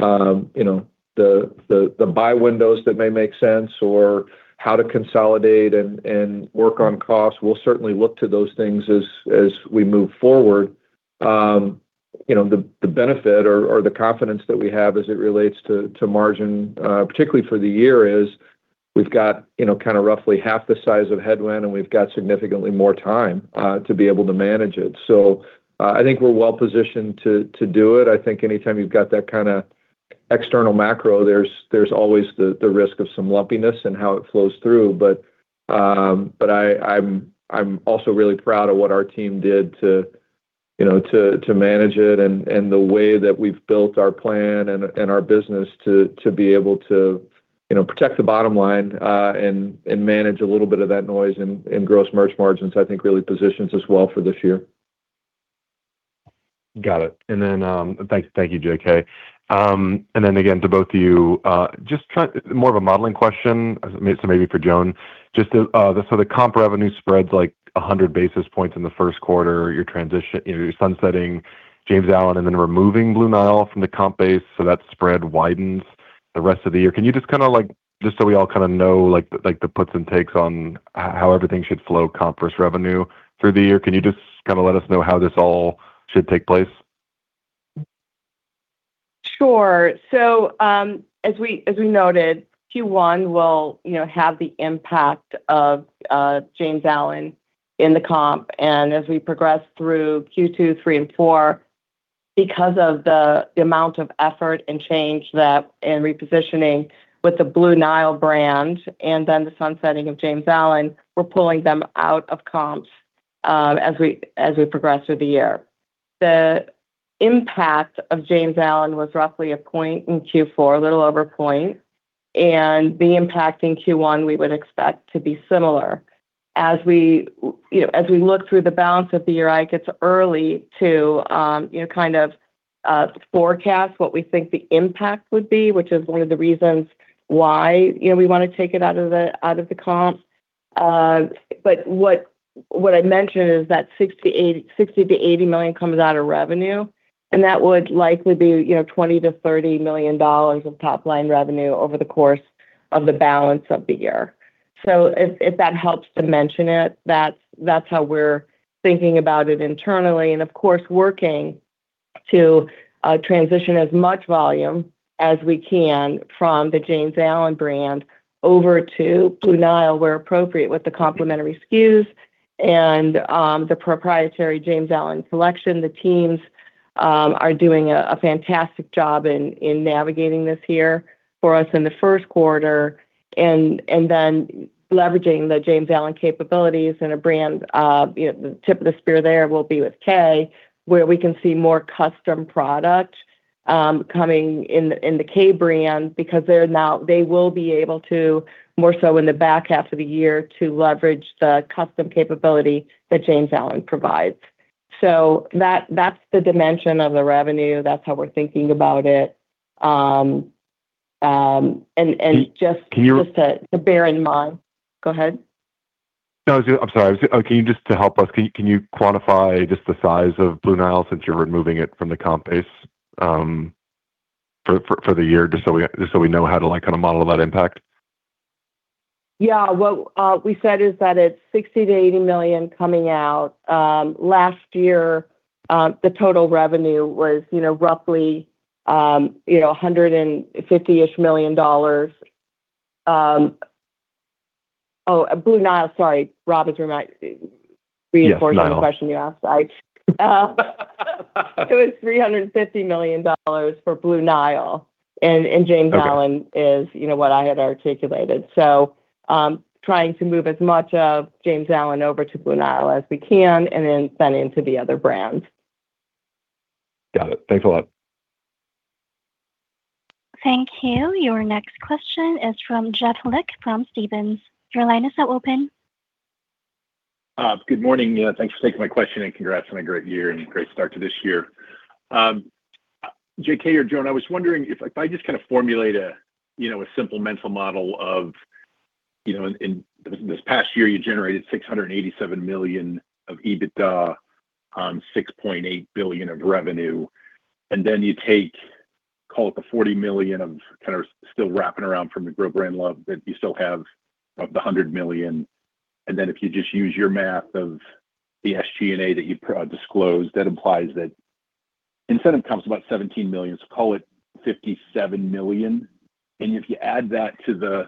you know, the buy windows that may make sense or how to consolidate and work on costs. We'll certainly look to those things as we move forward. You know, the benefit or the confidence that we have as it relates to margin, particularly for the year is we've got, you know, kinda roughly half the size of headwind, and we've got significantly more time to be able to manage it. I think we're well-positioned to do it. I think anytime you've got that kinda external macro, there's always the risk of some lumpiness and how it flows through. I'm also really proud of what our team did, you know, to manage it and the way that we've built our plan and our business to be able to, you know, protect the bottom line and manage a little bit of that noise in gross merch margins, I think, really positions us well for this year. Got it. Thanks. Thank you, J.K. To both of you, more of a modeling question, so maybe for Joan. The comp revenue spreads like 100 basis points in the first quarter. Your transition, you know, you're sunsetting JamesAllen.com and then removing Blue Nile from the comp base, so that spread widens the rest of the year. Can you just kinda like, just so we all kinda know, like, the puts and takes on how everything should flow comp-store revenue through the year, can you just kinda let us know how this all should take place? As we noted, Q1 will, you know, have the impact of JamesAllen.com in the comp. As we progress through Q2, Q3, and Q4, because of the amount of effort and change, repositioning with the Blue Nile brand and then the sunsetting of JamesAllen.com, we're pulling them out of comps as we progress through the year. The impact of JamesAllen.com was roughly a point in Q4, a little over a point, and the impact in Q1 we would expect to be similar. As we, you know, look through the balance of the year, it's early to, you know, kind of forecast what we think the impact would be, which is one of the reasons why, you know, we wanna take it out of the comp. What I mentioned is that $60 million-$80 million comes out of revenue, and that would likely be, you know, $20 million-$30 million of top-line revenue over the course of the balance of the year. If that helps to mention it, that's how we're thinking about it internally. Working to transition as much volume as we can from the JamesAllen.com brand over to Blue Nile, where appropriate, with the complementary SKUs and the proprietary JamesAllen.com selection. The teams are doing a fantastic job in navigating this year for us in the first quarter and then leveraging the James Allen capabilities and a brand, you know, the tip of the spear there will be with Kay, where we can see more custom product coming in the Kay brand because they're now. They will be able to more so in the back half of the year to leverage the custom capability that James Allen provides. That's the dimension of the revenue. That's how we're thinking about it. Can you- Just to bear in mind. Go ahead. No, I'm sorry. Can you quantify just the size of Blue Nile since you're removing it from the comp base for the year, just so we know how to like kinda model that impact? What we said is that it's $60 million-$80 million coming out. Last year, the total revenue was, you know, roughly, you know, $150-ish million dollars. Oh, Blue Nile, sorry. Rob is remind- Yes, Blue Nile. Reinforcing the question you asked. It's $350 million for Blue Nile. JamesAllen.com- Okay. It's, you know, what I had articulated. Trying to move as much of JamesAllen.com over to Blue Nile as we can and then expand into the other brands. Got it. Thanks a lot. Thank you. Your next question is from Jeff Lick from Stephens. Your line is now open. Good morning. Thanks for taking my question, and congrats on a great year and a great start to this year. J.K. or Joan, I was wondering if I just kinda formulate a, you know, a simple mental model of, you know, in this past year, you generated $687 million of EBITDA on $6.8 billion of revenue. You take, call it the $40 million of kinda still wrapping around from the Grow Brand Love that you still have of the $100 million. If you just use your math of the SG&A that you disclosed, that implies that incentive comp's about $17 million, so call it $57 million. If you add that to the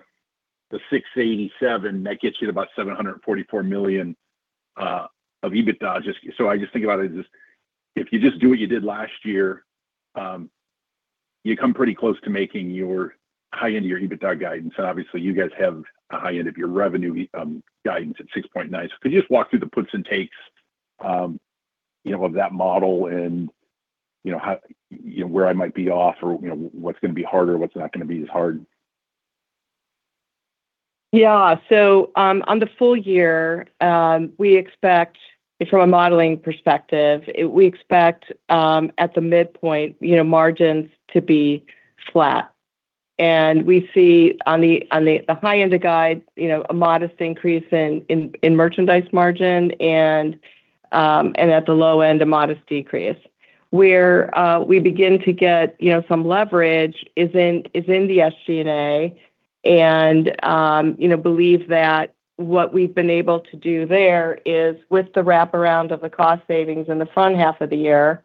687, that gets you to about $744 million of EBITDA just. I just think about it as if you just do what you did last year, you come pretty close to making your high end of your EBITDA guidance. Obviously, you guys have a high end of your revenue guidance at $6.9. Could you just walk through the puts and takes, you know, of that model and, you know, how, you know, where I might be off, or, you know, what's gonna be harder, what's not gonna be as hard? Yeah. On the full year, we expect from a modeling perspective, we expect at the midpoint, you know, margins to be flat. We see on the high end of guide, you know, a modest increase in merchandise margin and at the low end, a modest decrease. Where we begin to get, you know, some leverage is in the SG&A, and you know, believe that what we've been able to do there is, with the wraparound of the cost savings in the front half of the year,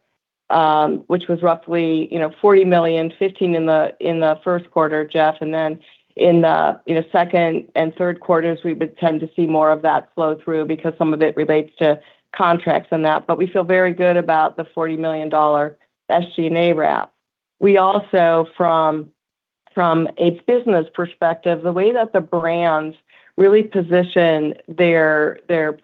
which was roughly, you know, $40 million, $15 million in the first quarter, Jeff, and then in the second and third quarters, we would tend to see more of that flow through because some of it relates to contracts and that. We feel very good about the $40 million SG&A wrap. We also, from a business perspective, the way that the brands really position their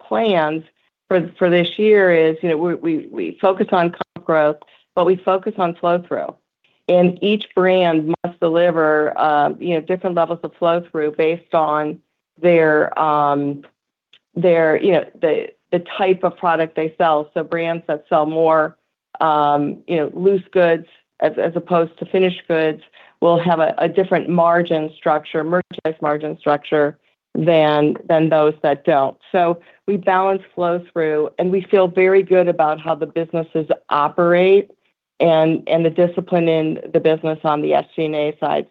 plans for this year is, you know, we focus on comp growth, but we focus on flow-through. Each brand must deliver different levels of flow-through based on their, you know, the type of product they sell. Brands that sell more loose goods as opposed to finished goods will have a different margin structure, merchandise margin structure than those that don't. We balance flow-through, and we feel very good about how the businesses operate and the discipline in the business on the SG&A side.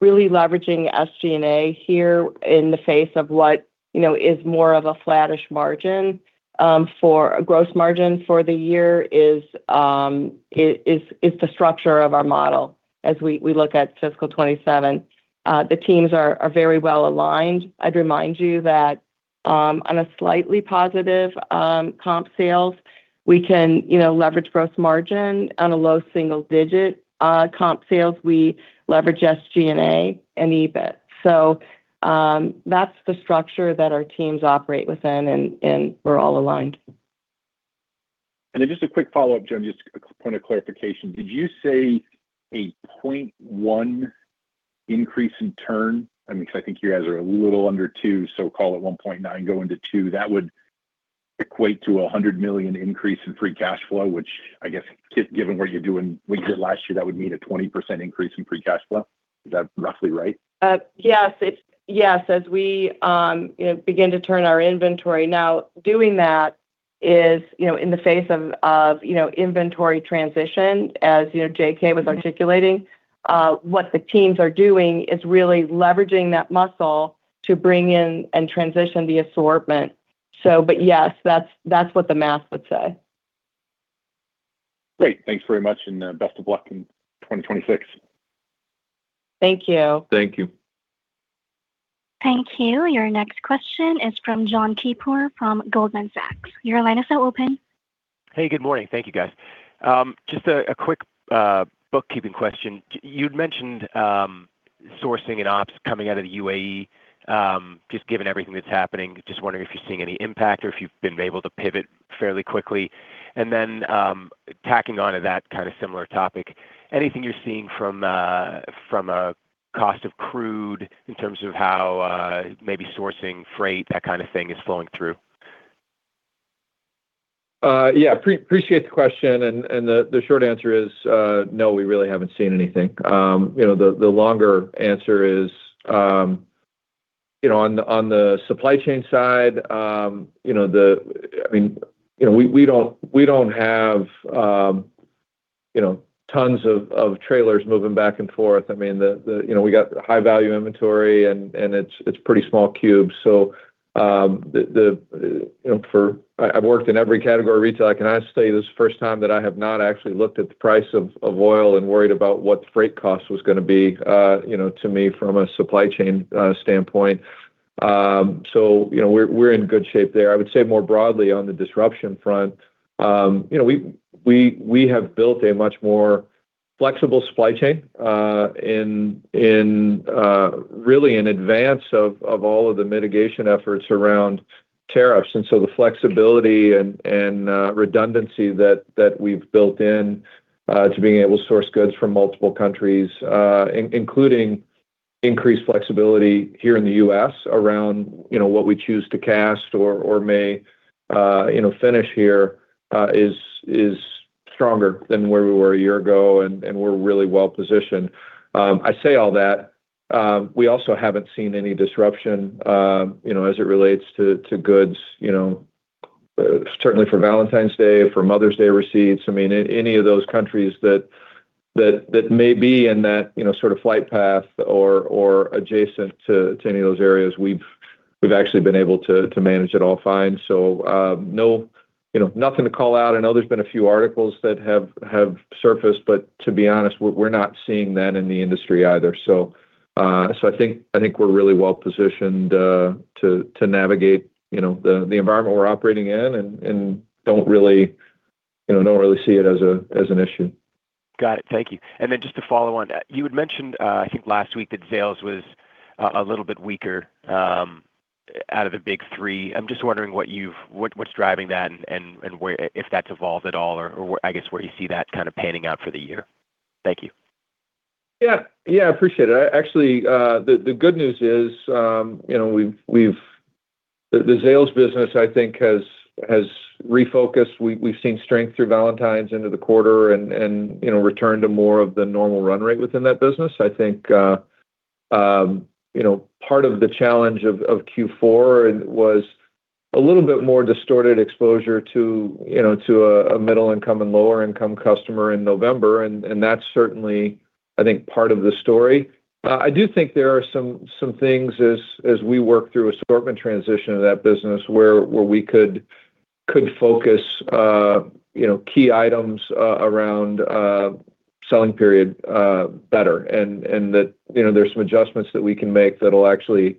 Really leveraging SG&A here in the face of what, you know, is more of a flattish margin for a gross margin for the year is the structure of our model as we look at fiscal 2027. The teams are very well aligned. I'd remind you that on a slightly positive comp sales, we can leverage gross margin. On a low single digit comp sales, we leverage SG&A and EBIT. That's the structure that our teams operate within, and we're all aligned. Just a quick follow-up, Joan, just a point of clarification. Did you say a 0.1 increase in turn? I mean, because I think you guys are a little under two, so call it 1.9 going to two. That would equate to a $100 million increase in free cash flow, which I guess given what you're doing, what you did last year, that would mean a 20% increase in free cash flow. Is that roughly right? Yes, as we you know begin to turn our inventory. Now, doing that is you know in the face of of you know inventory transition, as you know, J.K. was articulating. What the teams are doing is really leveraging that muscle to bring in and transition the assortment. Yes, that's what the math would say. Great. Thanks very much, and best of luck in 2026. Thank you. Thank you. Thank you. Your next question is from John Kiefer from Goldman Sachs Your line is now open. Hey, good morning. Thank you, guys. Just a quick bookkeeping question. You'd mentioned sourcing and ops coming out of the UAE. Just given everything that's happening, just wondering if you're seeing any impact or if you've been able to pivot fairly quickly. Then, tacking on to that kind of similar topic, anything you're seeing from a cost of crude in terms of how maybe sourcing freight, that kind of thing is flowing through? Yeah. Appreciate the question. The short answer is no, we really haven't seen anything. You know, the longer answer is, you know, on the supply chain side, you know, I mean, you know, we don't have tons of trailers moving back and forth. I mean, you know, we got high value inventory, and it's pretty small cubes. You know, I've worked in every category of retail. I can honestly tell you this is the first time that I have not actually looked at the price of oil and worried about what the freight cost was gonna be, you know, to me from a supply chain standpoint. You know, we're in good shape there. I would say more broadly on the disruption front, you know, we have built a much more flexible supply chain in really in advance of all of the mitigation efforts around tariffs. The flexibility and redundancy that we've built in to being able to source goods from multiple countries, including increased flexibility here in the U.S. around, you know, what we choose to cast or make, you know, finish here, is stronger than where we were a year ago, and we're really well positioned. I say all that, we also haven't seen any disruption, you know, as it relates to goods, you know, certainly for Valentine's Day, for Mother's Day receipts. I mean, any of those countries that may be in that, you know, sort of flight path or adjacent to any of those areas. We've actually been able to manage it all fine. No. You know, nothing to call out. I know there's been a few articles that have surfaced, but to be honest, we're not seeing that in the industry either. I think we're really well positioned to navigate, you know, the environment we're operating in and don't really, you know, see it as an issue. Got it. Thank you. Then just to follow on that, you had mentioned, I think last week that Zales was a little bit weaker out of the big three. I'm just wondering what's driving that and where if that's evolved at all or where I guess where you see that kind of panning out for the year. Thank you. Yeah. Yeah, appreciate it. Actually, the good news is, you know, the Zales business, I think, has refocused. We’ve seen strength through Valentine's into the quarter and, you know, return to more of the normal run rate within that business. I think, you know, part of the challenge of Q4 was a little bit more distorted exposure to, you know, a middle income and lower income customer in November, and that's certainly, I think, part of the story. I do think there are some things as we work through assortment transition of that business where we could focus, you know, key items around selling period better. That you know there's some adjustments that we can make that'll actually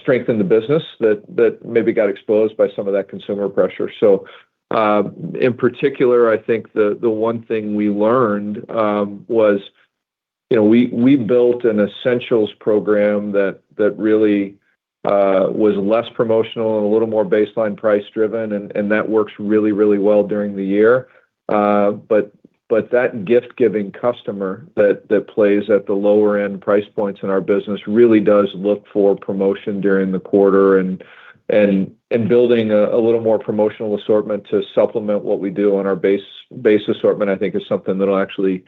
strengthen the business that maybe got exposed by some of that consumer pressure. In particular, I think the one thing we learned was you know we built an essentials program that really was less promotional and a little more baseline price driven, and that works really well during the year. But that gift-giving customer that plays at the lower end price points in our business really does look for promotion during the quarter and building a little more promotional assortment to supplement what we do on our base assortment, I think is something that'll actually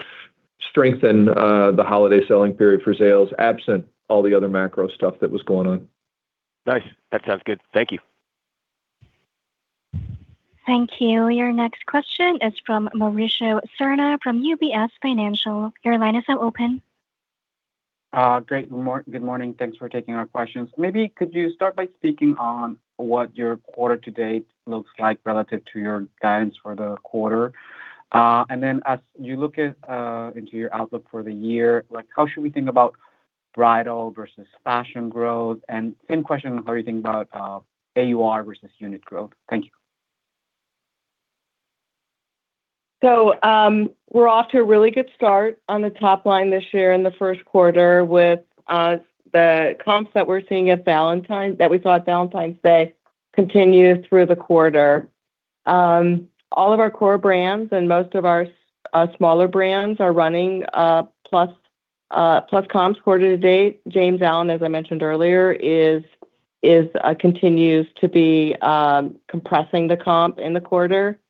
strengthen the holiday selling period for Zales, absent all the other macro stuff that was going on. Nice. That sounds good. Thank you. Thank you. Your next question is from Mauricio Serna from UBS. Your line is now open. Great. Good morning. Thanks for taking our questions. Maybe could you start by speaking on what your quarter-to-date looks like relative to your guidance for the quarter? Then as you look into your outlook for the year, like, how should we think about bridal versus fashion growth? Same question, how are you think about AUR versus unit growth? Thank you. We're off to a really good start on the top line this year in the first quarter with the comps that we saw at Valentine's Day continue through the quarter. All of our core brands and most of our smaller brands are running plus comps quarter to date. JamesAllen.com, as I mentioned earlier, continues to be compressing the comp in the quarter.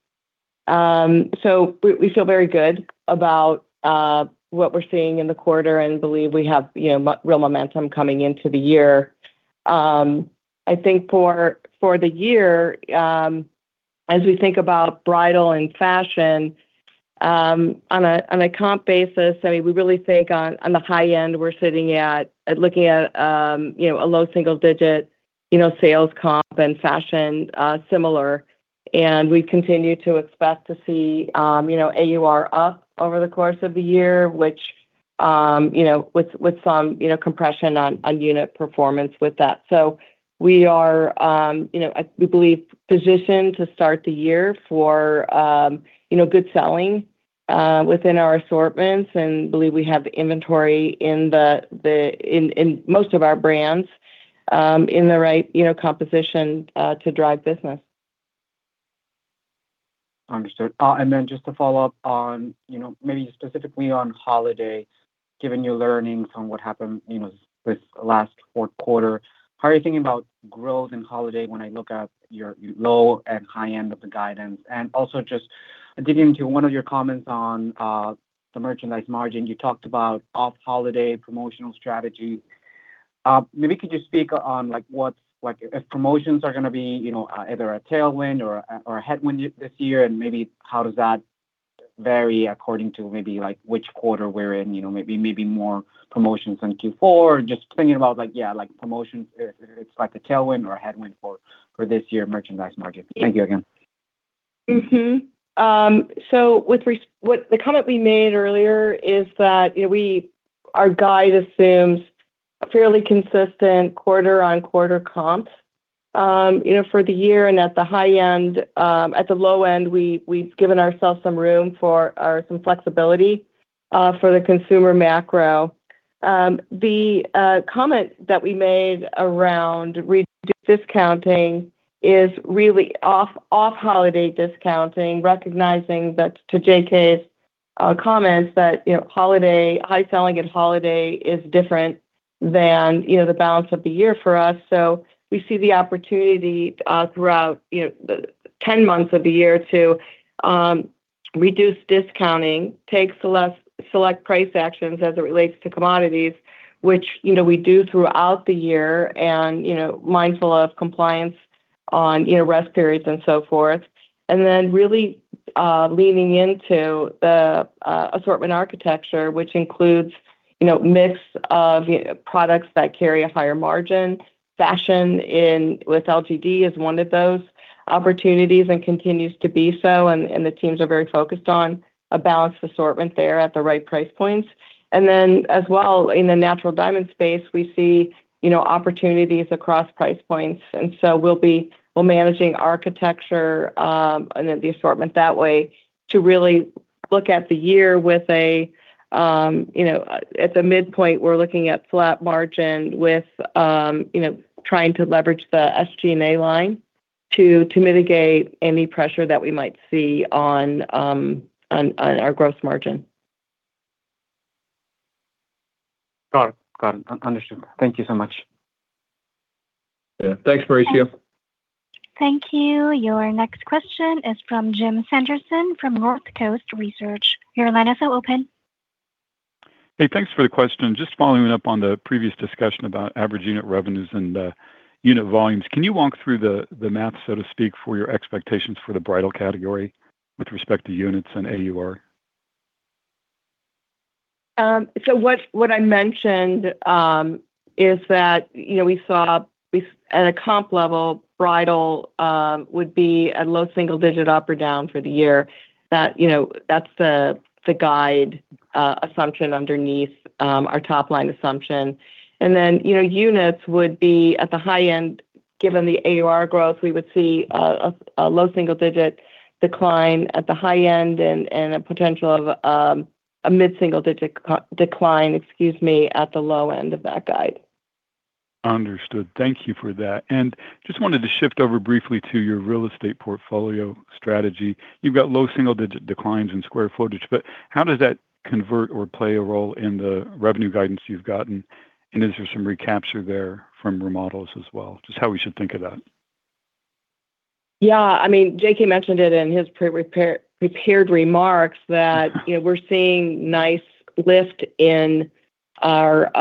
We feel very good about what we're seeing in the quarter and believe we have, you know, real momentum coming into the year. I think for the year, as we think about bridal and fashion, on a comp basis, I mean, we really think on the high end, we're sitting at looking at, you know, a low single digit, you know, sales comp and fashion, similar. We continue to expect to see, you know, AUR up over the course of the year, which, you know, with some, you know, compression on unit performance with that. We are, you know, we believe positioned to start the year for, you know, good selling within our assortments and believe we have the inventory in most of our brands, in the right, you know, composition to drive business. Understood. Just to follow up on, you know, maybe specifically on holiday, given your learnings on what happened, you know, with last fourth quarter, how are you thinking about growth in holiday when I look at your low and high end of the guidance? Also just digging into one of your comments on, the merchandise margin, you talked about off holiday promotional strategy. Maybe could you speak on like, if promotions are gonna be, you know, either a tailwind or a headwind this year, and maybe how does that vary according to maybe like which quarter we're in? You know, maybe more promotions in Q4. Just thinking about like, yeah, like promotions, if it's like a tailwind or a headwind for this year merchandise margin. Thank you again. The comment we made earlier is that, you know, our guide assumes a fairly consistent quarter-on-quarter comp, you know, for the year and at the high end. At the low end, we've given ourselves some room, or some flexibility for the consumer macro. The comment that we made around re-discounting is really off holiday discounting, recognizing that, to J.K.'s comments, that, you know, holiday high selling at holiday is different than, you know, the balance of the year for us. We see the opportunity throughout, you know, the 10 months of the year to reduce discounting, take select price actions as it relates to commodities, which, you know, we do throughout the year. You know, mindful of compliance on, you know, reset periods and so forth. Then really leaning into the assortment architecture, which includes, you know, mix of products that carry a higher margin. Fashion with LGD is one of those opportunities and continues to be so, and the teams are very focused on a balanced assortment there at the right price points. Then as well, in the natural diamond space, we see, you know, opportunities across price points. We're managing architecture, and then the assortment that way to really look at the year with a, you know. At the midpoint, we're looking at flat margin with, you know, trying to leverage the SG&A line to mitigate any pressure that we might see on our gross margin. Got it. Understood. Thank you so much. Yeah. Thanks, Mauricio. Thank you. Your next question is from Jim Sanderson from Northcoast Research. Your line is now open. Hey, thanks for the question. Just following up on the previous discussion about average unit revenues and unit volumes. Can you walk through the math, so to speak, for your expectations for the bridal category with respect to units and AUR? What I mentioned is that, you know, we saw at a comp level, bridal, would be a low single-digit up or down for the year. That, you know, that's the guide assumption underneath our top-line assumption. Then, you know, units would be at the high end. Given the AUR growth, we would see a low single-digit decline at the high end and a potential of a mid-single-digit decline, excuse me, at the low end of that guide. Understood. Thank you for that. Just wanted to shift over briefly to your real estate portfolio strategy. You've got low single-digit declines in square footage, but how does that convert or play a role in the revenue guidance you've gotten? Is there some recapture there from remodels as well? Just how we should think of that? Yeah. I mean, J.K. mentioned it in his prepared remarks that, you know, we're seeing nice lift in our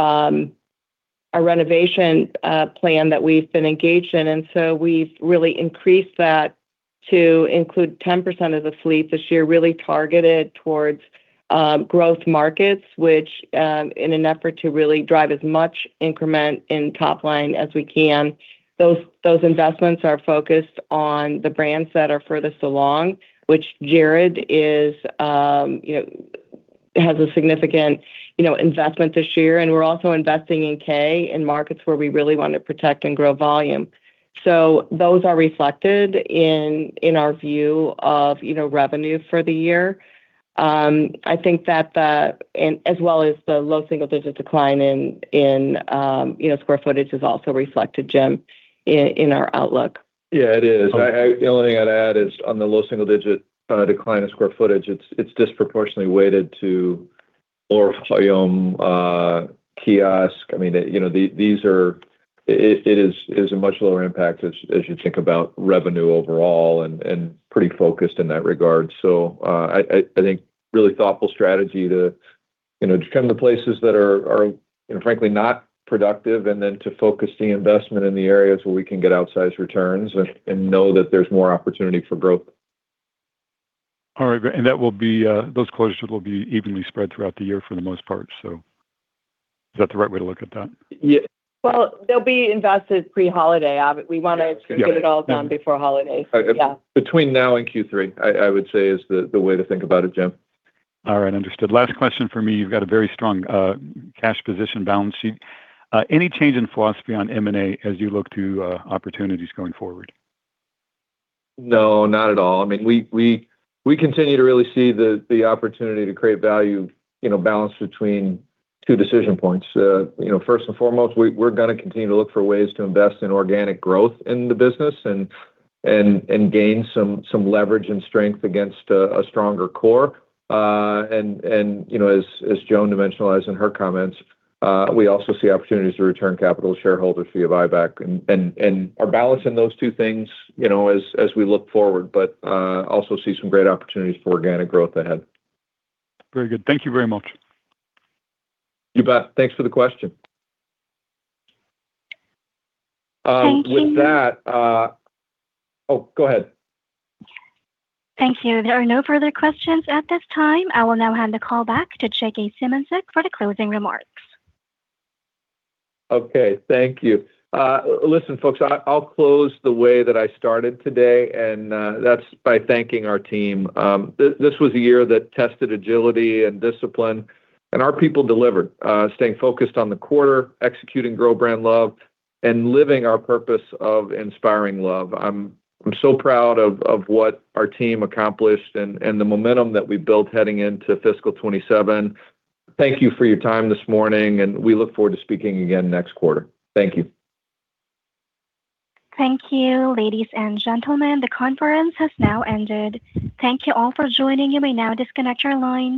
renovation plan that we've been engaged in. We've really increased that to include 10% of the fleet this year, really targeted towards growth markets, which in an effort to really drive as much increment in top line as we can. Those investments are focused on the brands that are further along, which Jared is, you know, has a significant investment this year. We're also investing in Kay in markets where we really want to protect and grow volume. Those are reflected in our view of, you know, revenue for the year. I think that the. As well as the low single digit decline in you know square footage is also reflected, Jim, in our outlook. Yeah, it is. The only thing I'd add is on the low single-digit decline in square footage. It's disproportionately weighted to Banter kiosk. I mean, you know, it is a much lower impact as you think about revenue overall and pretty focused in that regard. I think really thoughtful strategy to, you know, trim the places that are, you know, frankly not productive, and then to focus the investment in the areas where we can get outsized returns and know that there's more opportunity for growth. All right. That will be, those closures will be evenly spread throughout the year for the most part, so is that the right way to look at that? Ye- Well, they'll be invested pre-holiday. We wanna get it all done before holiday, so yeah. Between now and Q3, I would say is the way to think about it, Jim. All right. Understood. Last question for me. You've got a very strong cash position, balance sheet. Any change in philosophy on M&A as you look to opportunities going forward? No, not at all. I mean, we continue to really see the opportunity to create value, you know, balanced between two decision points. You know, first and foremost, we're gonna continue to look for ways to invest in organic growth in the business and gain some leverage and strength against a stronger core. And you know, as Joan dimensionalized in her comments, we also see opportunities to return capital to shareholders via buyback and are balancing those two things, you know, as we look forward, but also see some great opportunities for organic growth ahead. Very good. Thank you very much. You bet. Thanks for the question. Thank you. With that, oh, go ahead. Thank you. There are no further questions at this time. I will now hand the call back to J.K. Symancyk for the closing remarks. Okay. Thank you. Listen, folks, I'll close the way that I started today, and that's by thanking our team. This was a year that tested agility and discipline, and our people delivered, staying focused on the quarter, executing Grow Brand Love, and living our purpose of inspiring love. I'm so proud of what our team accomplished and the momentum that we built heading into fiscal 2027. Thank you for your time this morning, and we look forward to speaking again next quarter. Thank you. Thank you, ladies and gentlemen. The conference has now ended. Thank you all for joining. You may now disconnect your line.